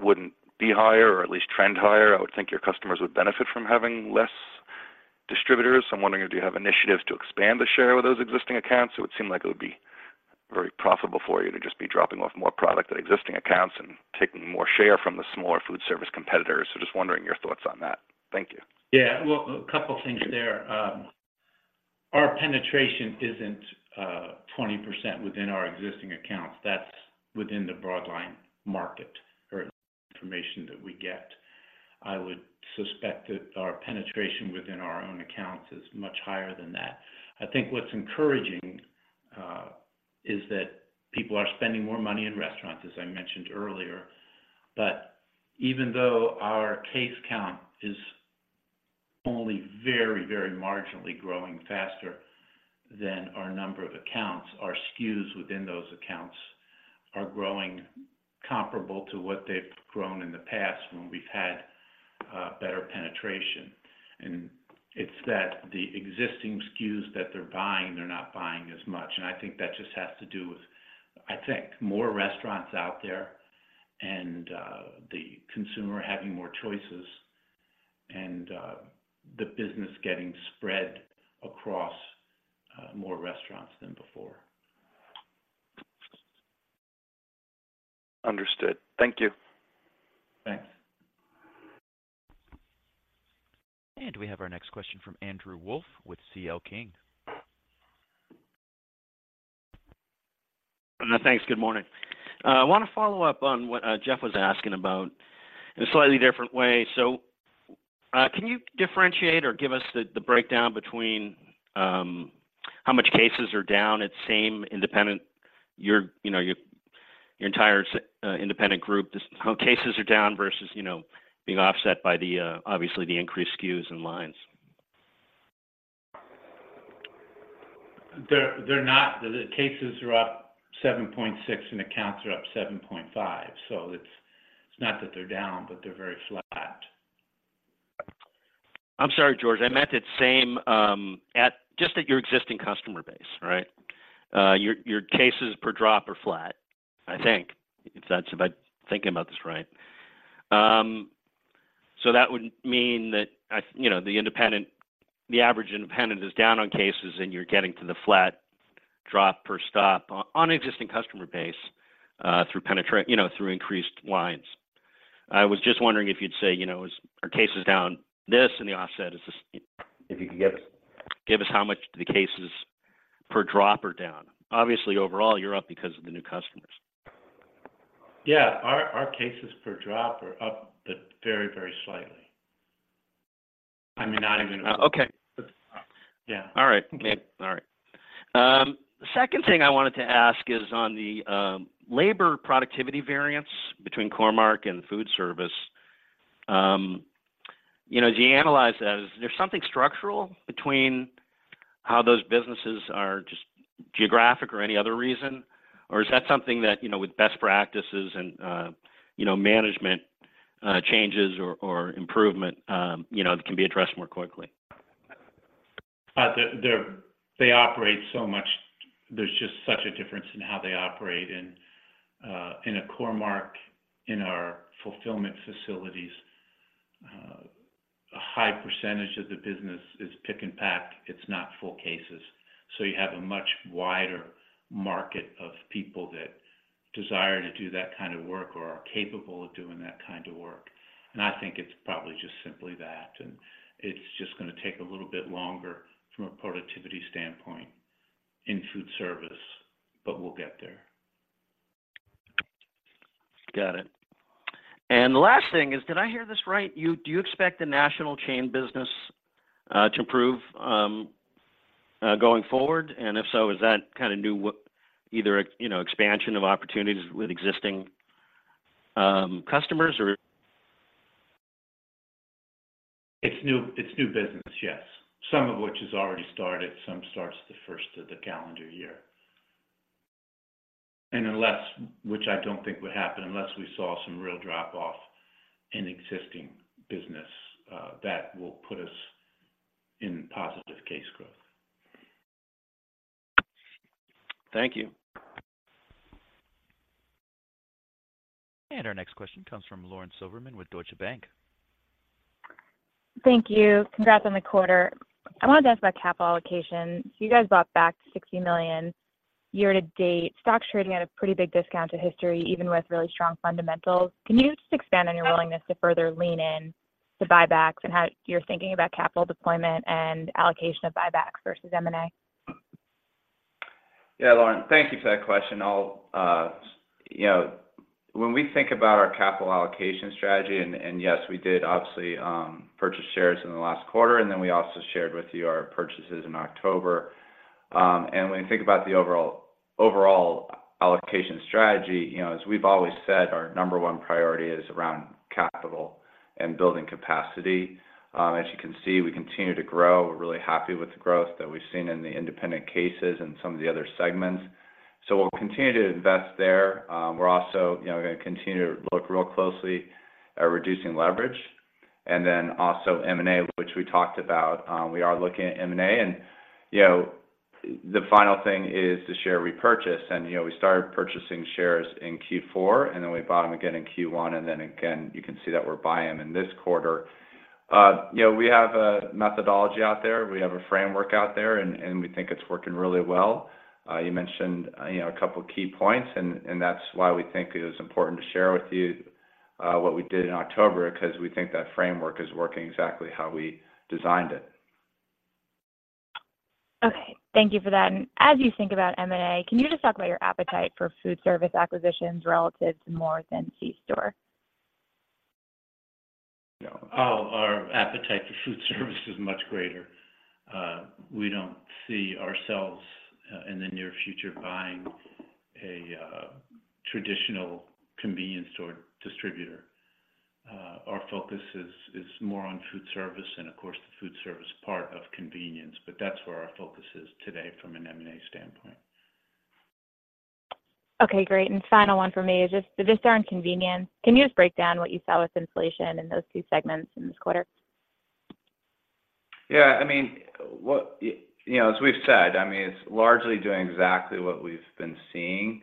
Speaker 11: wouldn't be higher or at least trend higher. I would think your customers would benefit from having less distributors. I'm wondering, do you have initiatives to expand the share of those existing accounts? It would seem like it would be very profitable for you to just be dropping off more product at existing accounts and taking more share from the smaller food service competitors. So just wondering your thoughts on that. Thank you.
Speaker 3: Yeah, well, a couple of things there. Our penetration isn't 20% within our existing accounts. That's within the broadline market or information that we get. I would suspect that our penetration within our own accounts is much higher than that. I think what's encouraging is that people are spending more money in restaurants, as I mentioned earlier, but even though our case count is only very, very marginally growing faster than our number of accounts, our SKUs within those accounts are growing comparable to what they've grown in the past when we've had better penetration. And it's that the existing SKUs that they're buying, they're not buying as much, and I think that just has to do with, I think, more restaurants out there and the consumer having more choices and the business getting spread across more restaurants than before.
Speaker 11: Understood. Thank you.
Speaker 3: Thanks.
Speaker 1: We have our next question from Andrew Wolf with C.L. King.
Speaker 12: Thanks. Good morning. I want to follow up on what Jeff was asking about in a slightly different way. So, can you differentiate or give us the breakdown between how much cases are down at same independent... Your, you know, your entire independent group, just how cases are down versus, you know, being offset by the obviously the increased SKUs and lines?
Speaker 3: They're not. The cases are up 7.6, and accounts are up 7.5. So it's not that they're down, but they're very flat.
Speaker 12: I'm sorry, George. I meant the same at just your existing customer base, right? Your cases per drop are flat, I think. If that's if I'm thinking about this right. So that would mean that, you know, the independent, the average independent is down on cases, and you're getting to the flat drop per stop on existing customer base through penetration, you know, through increased lines. I was just wondering if you'd say, you know, are cases down this and the offset is this? If you could give us how much the cases per drop are down. Obviously, overall, you're up because of the new customers.
Speaker 3: Yeah. Our, our cases per drop are up, but very, very slightly. I mean, not even-
Speaker 12: Okay.
Speaker 3: Yeah.
Speaker 12: All right. Okay. All right. The second thing I wanted to ask is on the labor productivity variance between Core-Mark and food service. You know, as you analyze that, is there something structural between how those businesses are just geographic or any other reason? Or is that something that, you know, with best practices and, you know, management changes or improvement, you know, can be addressed more quickly?
Speaker 3: They operate so much... There's just such a difference in how they operate. And in a Core-Mark, in our fulfillment facilities, a high percentage of the business is pick and pack. It's not full cases. So you have a much wider market of people that desire to do that kind of work or are capable of doing that kind of work. And I think it's probably just simply that, and it's just gonna take a little bit longer from a productivity standpoint in food service, but we'll get there.
Speaker 12: Got it. The last thing is, did I hear this right? Do you expect the national chain business to improve going forward? And if so, is that kind of new either, you know, expansion of opportunities with existing customers, or?
Speaker 3: It's new, it's new business, yes. Some of which has already started, some starts the first of the calendar year. And unless, which I don't think would happen, unless we saw some real drop-off in existing business, that will put us in positive case growth.
Speaker 12: Thank you.
Speaker 1: Our next question comes from Lauren Silberman with Deutsche Bank.
Speaker 13: Thank you. Congrats on the quarter. I wanted to ask about capital allocation. You guys bought back $60 million year to date. Stock trading at a pretty big discount to history, even with really strong fundamentals. Can you just expand on your willingness to further lean in to buybacks and how you're thinking about capital deployment and allocation of buybacks versus M&A?
Speaker 4: Yeah, Lauren, thank you for that question. I'll... You know, when we think about our capital allocation strategy, and, and yes, we did obviously, purchase shares in the last quarter, and then we also shared with you our purchases in October. And when you think about the overall, overall allocation strategy, you know, as we've always said, our number one priority is around capital and building capacity. As you can see, we continue to grow. We're really happy with the growth that we've seen in the independent cases and some of the other segments. So we'll continue to invest there. We're also, you know, gonna continue to look real closely at reducing leverage. And then also M&A, which we talked about. We are looking at M&A, and, you know, the final thing is the share repurchase. You know, we started purchasing shares in Q4, and then we bought them again in Q1, and then again, you can see that we're buying them in this quarter. You know, we have a methodology out there, we have a framework out there, and, and we think it's working really well. You mentioned, you know, a couple of key points, and, and that's why we think it was important to share with you, what we did in October, 'cause we think that framework is working exactly how we designed it.
Speaker 13: Okay. Thank you for that. As you think about M&A, can you just talk about your appetite for food service acquisitions relative to more than C-Store?
Speaker 3: Oh, our appetite for food service is much greater. We don't see ourselves in the near future buying a traditional convenience store distributor. Our focus is more on food service and, of course, the food service part of convenience, but that's where our focus is today from an M&A standpoint.
Speaker 13: Okay, great. Final one for me is just the Vistar and convenience. Can you just break down what you saw with inflation in those two segments in this quarter?
Speaker 4: Yeah, I mean, you know, as we've said, I mean, it's largely doing exactly what we've been seeing.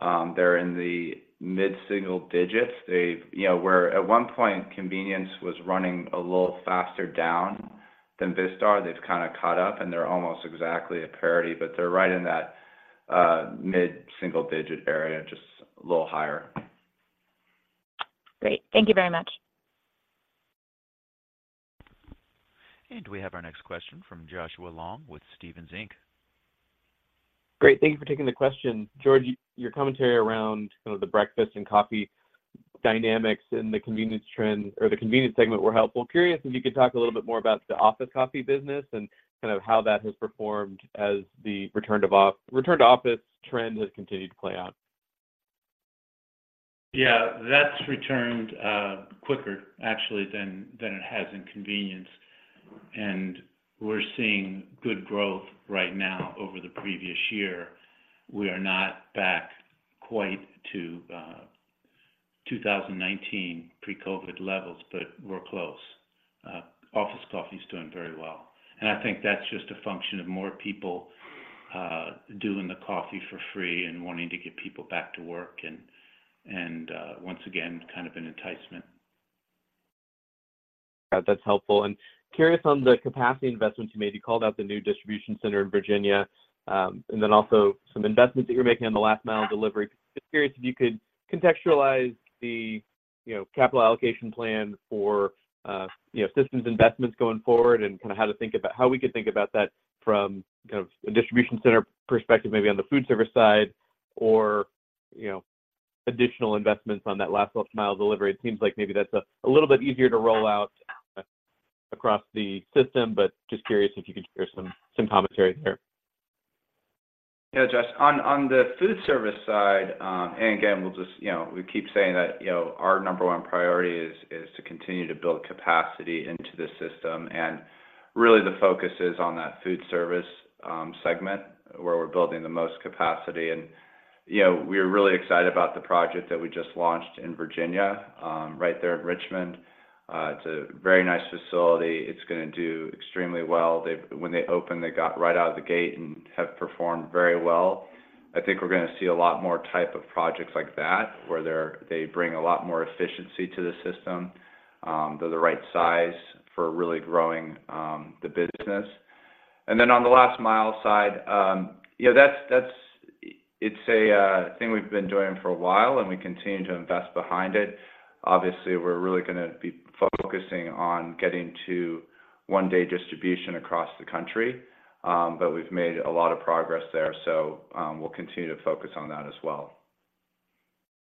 Speaker 4: They're in the mid-single digits. You know, where at one point, convenience was running a little faster down than Vistar. They've kind of caught up, and they're almost exactly at parity, but they're right in that mid-single-digit area, just a little higher.
Speaker 13: Great. Thank you very much.
Speaker 1: We have our next question from Joshua Long with Stephens Inc.
Speaker 14: Great. Thank you for taking the question. George, your commentary around, you know, the breakfast and coffee dynamics in the convenience trend or the convenience segment were helpful. Curious if you could talk a little bit more about the office coffee business and kind of how that has performed as the return to office trend has continued to play out?
Speaker 3: Yeah, that's returned quicker actually than, than it has in convenience, and we're seeing good growth right now over the previous year. We are not back quite to 2019 pre-COVID levels, but we're close. Office coffee is doing very well, and I think that's just a function of more people doing the coffee for free and wanting to get people back to work, and, and once again, kind of an enticement.
Speaker 14: That's helpful. And curious on the capacity investments you made. You called out the new distribution center in Virginia, and then also some investments that you're making on the last mile delivery. Just curious if you could contextualize the, you know, capital allocation plan for, you know, systems investments going forward and kinda how to think about, how we could think about that from kind of a distribution center perspective, maybe on the food service side, or, you know, additional investments on that last mile delivery. It seems like maybe that's a little bit easier to roll out across the system, but just curious if you could share some commentary there.
Speaker 4: Yeah, Josh, on the food service side, and again, we'll just, you know, we keep saying that, you know, our number one priority is to continue to build capacity into the system. And really, the focus is on that food service segment, where we're building the most capacity. And, you know, we're really excited about the project that we just launched in Virginia, right there in Richmond. It's a very nice facility. It's gonna do extremely well. They, when they opened, they got right out of the gate and have performed very well. I think we're gonna see a lot more type of projects like that, where they bring a lot more efficiency to the system. They're the right size for really growing the business. Then on the last mile side, you know, that's, it's a thing we've been doing for a while, and we continue to invest behind it. Obviously, we're really gonna be focusing on getting to one-day distribution across the country, but we've made a lot of progress there, so we'll continue to focus on that as well.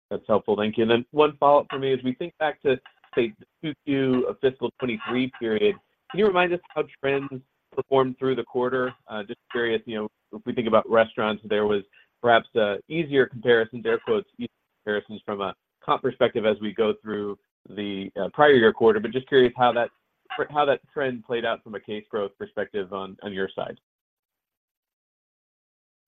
Speaker 14: That's helpful. Thank you. And then one follow-up for me, as we think back to, say, 2Q of fiscal 2023 period, can you remind us how trends performed through the quarter? Just curious, you know, if we think about restaurants, there was perhaps a easier comparison, air quotes, easier comparisons from a comp perspective as we go through the, prior year quarter. But just curious how that, how that trend played out from a case growth perspective on, on your side.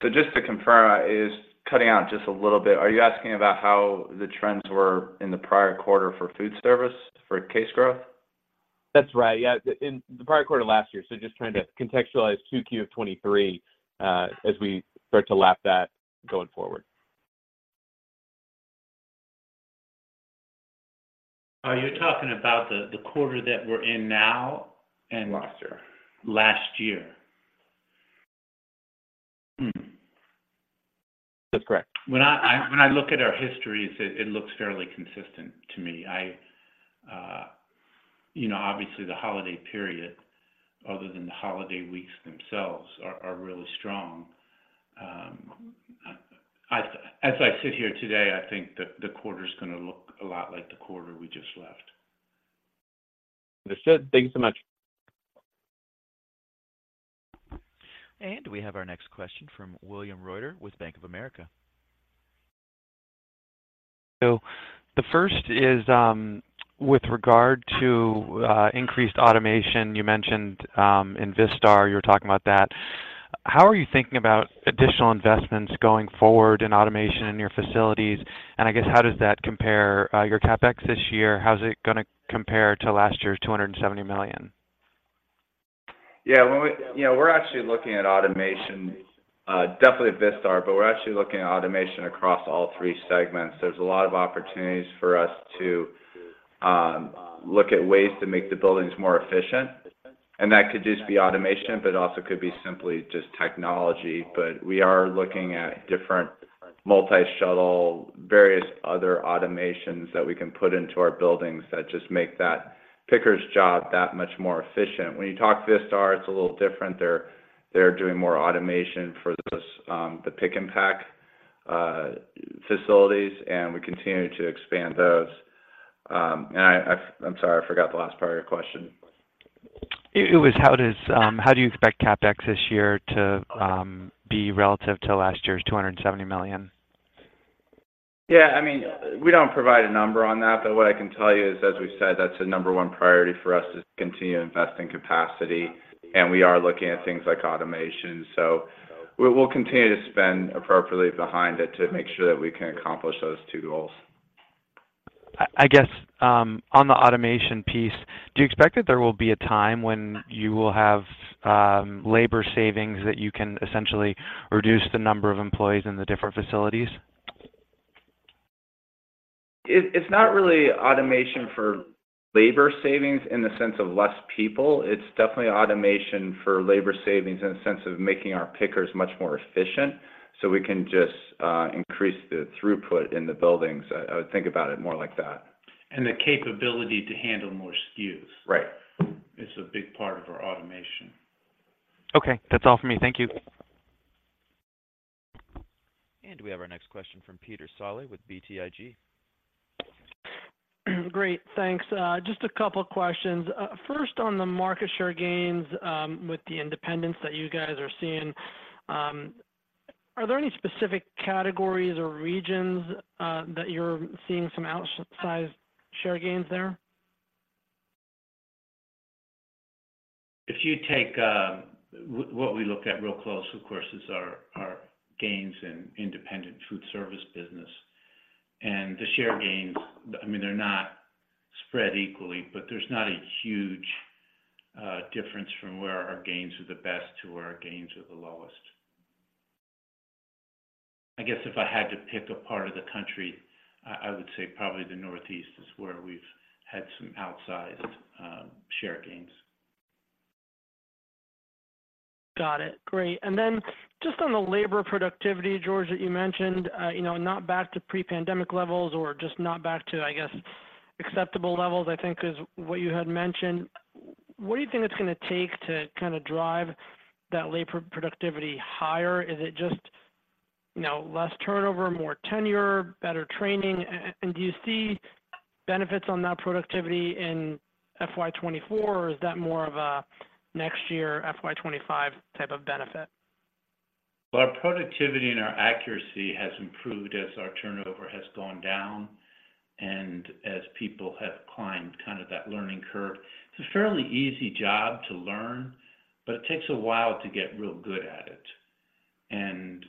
Speaker 4: So just to confirm, it is cutting out just a little bit. Are you asking about how the trends were in the prior quarter for food service, for case growth?
Speaker 14: That's right. Yeah, in the prior quarter last year. So just trying to contextualize 2Q of 2023, as we start to lap that going forward.
Speaker 3: Are you talking about the quarter that we're in now?
Speaker 4: Last year.
Speaker 3: Last year. Hmm.
Speaker 14: That's correct.
Speaker 3: When I look at our histories, it looks fairly consistent to me. I, you know, obviously, the holiday period, other than the holiday weeks themselves, are really strong. As I sit here today, I think that the quarter is gonna look a lot like the quarter we just left.
Speaker 14: Understood. Thank you so much.
Speaker 1: We have our next question from William Reuter with Bank of America.
Speaker 15: So the first is, with regard to increased automation. You mentioned, in Vistar, you were talking about that. How are you thinking about additional investments going forward in automation in your facilities? And I guess, how does that compare, your CapEx this year, how is it gonna compare to last year's $270 million?
Speaker 4: Yeah, when we... You know, we're actually looking at automation, definitely Vistar, but we're actually looking at automation across all three segments. There's a lot of opportunities for us to look at ways to make the buildings more efficient, and that could just be automation, but also could be simply just technology. But we are looking at different multi-shuttle, various other automations that we can put into our buildings that just make that picker's job that much more efficient. When you talk Vistar, it's a little different. They're doing more automation for those, the pick and pack facilities, and we continue to expand those. And I'm sorry, I forgot the last part of your question.
Speaker 15: How do you expect CapEx this year to be relative to last year's $270 million?
Speaker 4: Yeah, I mean, we don't provide a number on that, but what I can tell you is, as we've said, that's a number one priority for us to continue to invest in capacity, and we are looking at things like automation. So we, we'll continue to spend appropriately behind it to make sure that we can accomplish those two goals.
Speaker 15: I guess, on the automation piece, do you expect that there will be a time when you will have labor savings, that you can essentially reduce the number of employees in the different facilities?
Speaker 4: It's not really automation for labor savings in the sense of less people. It's definitely automation for labor savings in the sense of making our pickers much more efficient, so we can just increase the throughput in the buildings. I would think about it more like that.
Speaker 3: The capability to handle more SKUs.
Speaker 4: Right.
Speaker 3: It's a big part of our automation.
Speaker 15: Okay. That's all for me. Thank you....
Speaker 1: We have our next question from Peter Saleh with BTIG.
Speaker 16: Great, thanks. Just a couple questions. First, on the market share gains, with the independence that you guys are seeing, are there any specific categories or regions that you're seeing some outsized share gains there?
Speaker 3: If you take what we look at real close, of course, is our gains in independent food service business. The share gains, I mean, they're not spread equally, but there's not a huge difference from where our gains are the best to where our gains are the lowest. I guess if I had to pick a part of the country, I would say probably the Northeast is where we've had some outsized share gains.
Speaker 16: Got it. Great. And then just on the labor productivity, George, that you mentioned, you know, not back to pre-pandemic levels or just not back to, I guess, acceptable levels, I think is what you had mentioned. What do you think it's gonna take to kinda drive that labor productivity higher? Is it just, you know, less turnover, more tenure, better training? And do you see benefits on that productivity in FY 2024, or is that more of a next year, FY 2025 type of benefit?
Speaker 3: Well, our productivity and our accuracy has improved as our turnover has gone down and as people have climbed kind of that learning curve. It's a fairly easy job to learn, but it takes a while to get real good at it. And,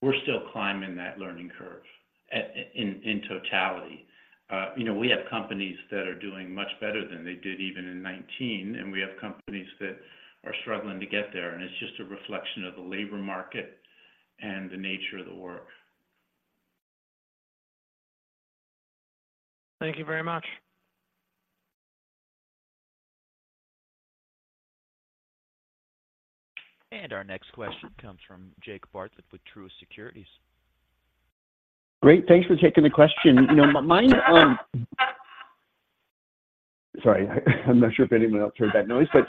Speaker 3: we're still climbing that learning curve in totality. You know, we have companies that are doing much better than they did even in 2019, and we have companies that are struggling to get there, and it's just a reflection of the labor market and the nature of the work.
Speaker 16: Thank you very much.
Speaker 1: Our next question comes from Jake Bartlett with Truist Securities.
Speaker 17: Great. Thanks for taking the question. You know, my... Sorry, I'm not sure if anyone else heard that noise, but,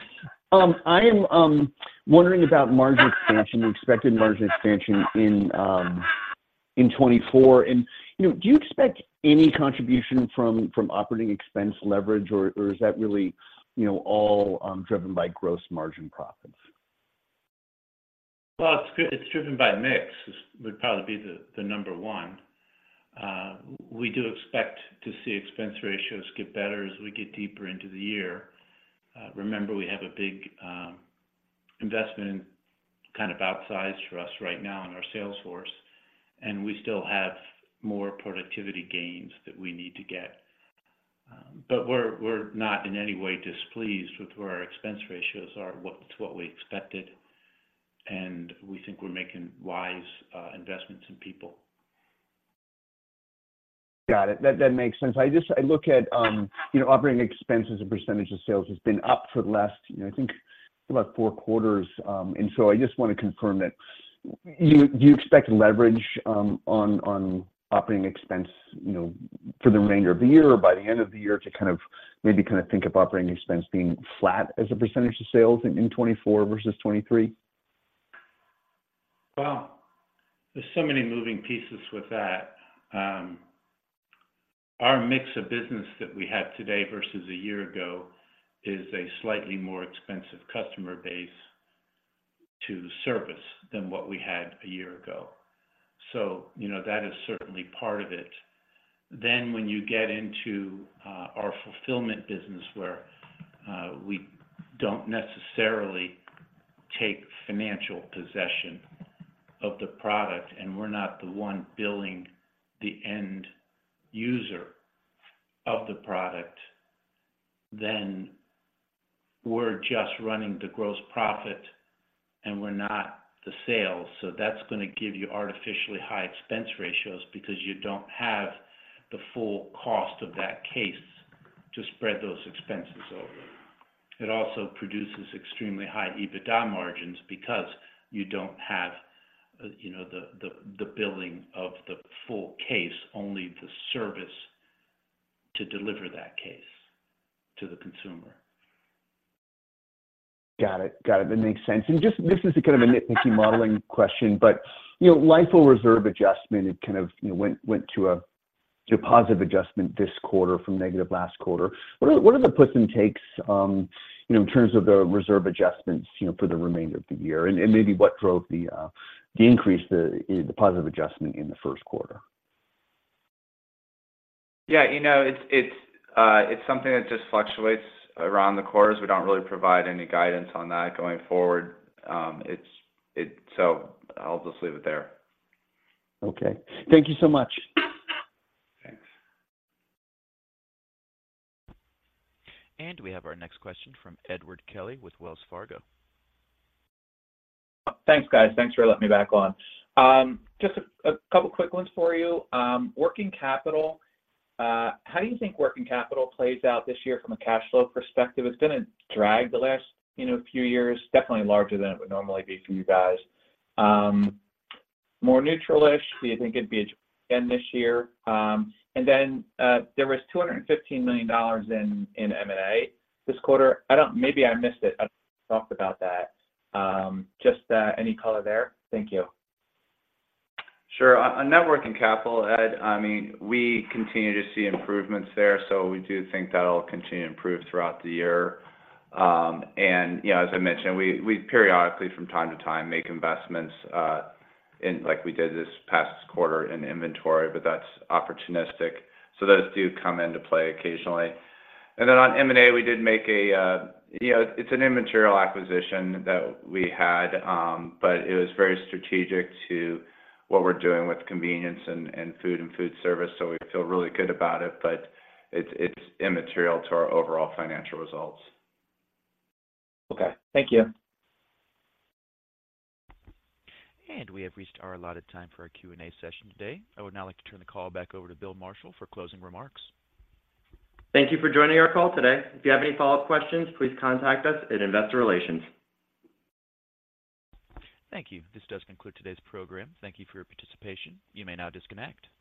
Speaker 17: I am wondering about margin expansion, expected margin expansion in 2024. And, you know, do you expect any contribution from operating expense leverage, or is that really, you know, all driven by gross margin profits?
Speaker 3: Well, it's driven by mix, would probably be the number one. We do expect to see expense ratios get better as we get deeper into the year. Remember, we have a big investment, kind of outsized for us right now in our sales force, and we still have more productivity gains that we need to get. But we're not in any way displeased with where our expense ratios are. It's what we expected, and we think we're making wise investments in people.
Speaker 17: Got it. That, that makes sense. I just—I look at, you know, operating expenses and percentage of sales has been up for the last, you know, I think, about four quarters. And so I just want to confirm that. Do you, do you expect leverage on operating expense, you know, for the remainder of the year or by the end of the year to kind of maybe kinda think of operating expense being flat as a percentage of sales in 2024 versus 2023?
Speaker 3: Well, there's so many moving pieces with that. Our mix of business that we have today versus a year ago is a slightly more expensive customer base to service than what we had a year ago. So, you know, that is certainly part of it. Then, when you get into our fulfillment business, where we don't necessarily take financial possession of the product and we're not the one billing the end user of the product, then we're just running the gross profit and we're not the sales. So that's gonna give you artificially high expense ratios because you don't have the full cost of that case to spread those expenses over. It also produces extremely high EBITDA margins because you don't have, you know, the billing of the full case, only the service to deliver that case to the consumer.
Speaker 17: Got it. Got it. That makes sense. And just, this is kind of a nitpicky modeling question, but, you know, LIFO reserve adjustment, it kind of, you know, went to a positive adjustment this quarter from negative last quarter. What are the puts and takes, you know, in terms of the reserve adjustments, you know, for the remainder of the year? And maybe what drove the increase, the positive adjustment in the first quarter?
Speaker 4: Yeah, you know, it's something that just fluctuates around the quarters. We don't really provide any guidance on that going forward. So I'll just leave it there.
Speaker 17: Okay. Thank you so much.
Speaker 3: Thanks.
Speaker 1: We have our next question from Edward Kelly with Wells Fargo.
Speaker 5: Thanks, guys. Thanks for letting me back on. Just a couple quick ones for you. Working capital. How do you think working capital plays out this year from a cash flow perspective? It's been a drag the last, you know, few years, definitely larger than it would normally be for you guys. More neutralish, do you think it'd be an end this year? And then, there was $215 million in M&A this quarter. I don't, maybe I missed it. I thought about that. Just any color there? Thank you.
Speaker 4: Sure. On net working capital, Ed, I mean, we continue to see improvements there, so we do think that'll continue to improve throughout the year. And, you know, as I mentioned, we periodically from time to time make investments—like we did this past quarter in inventory, but that's opportunistic. So those do come into play occasionally. And then on M&A, we did make, you know, it's an immaterial acquisition that we had, but it was very strategic to what we're doing with convenience and foodservice, so we feel really good about it, but it's immaterial to our overall financial results.
Speaker 5: Okay. Thank you.
Speaker 1: We have reached our allotted time for our Q&A session today. I would now like to turn the call back over to Bill Marshall for closing remarks.
Speaker 2: Thank you for joining our call today. If you have any follow-up questions, please contact us at Investor Relations.
Speaker 1: Thank you. This does conclude today's program. Thank you for your participation. You may now disconnect.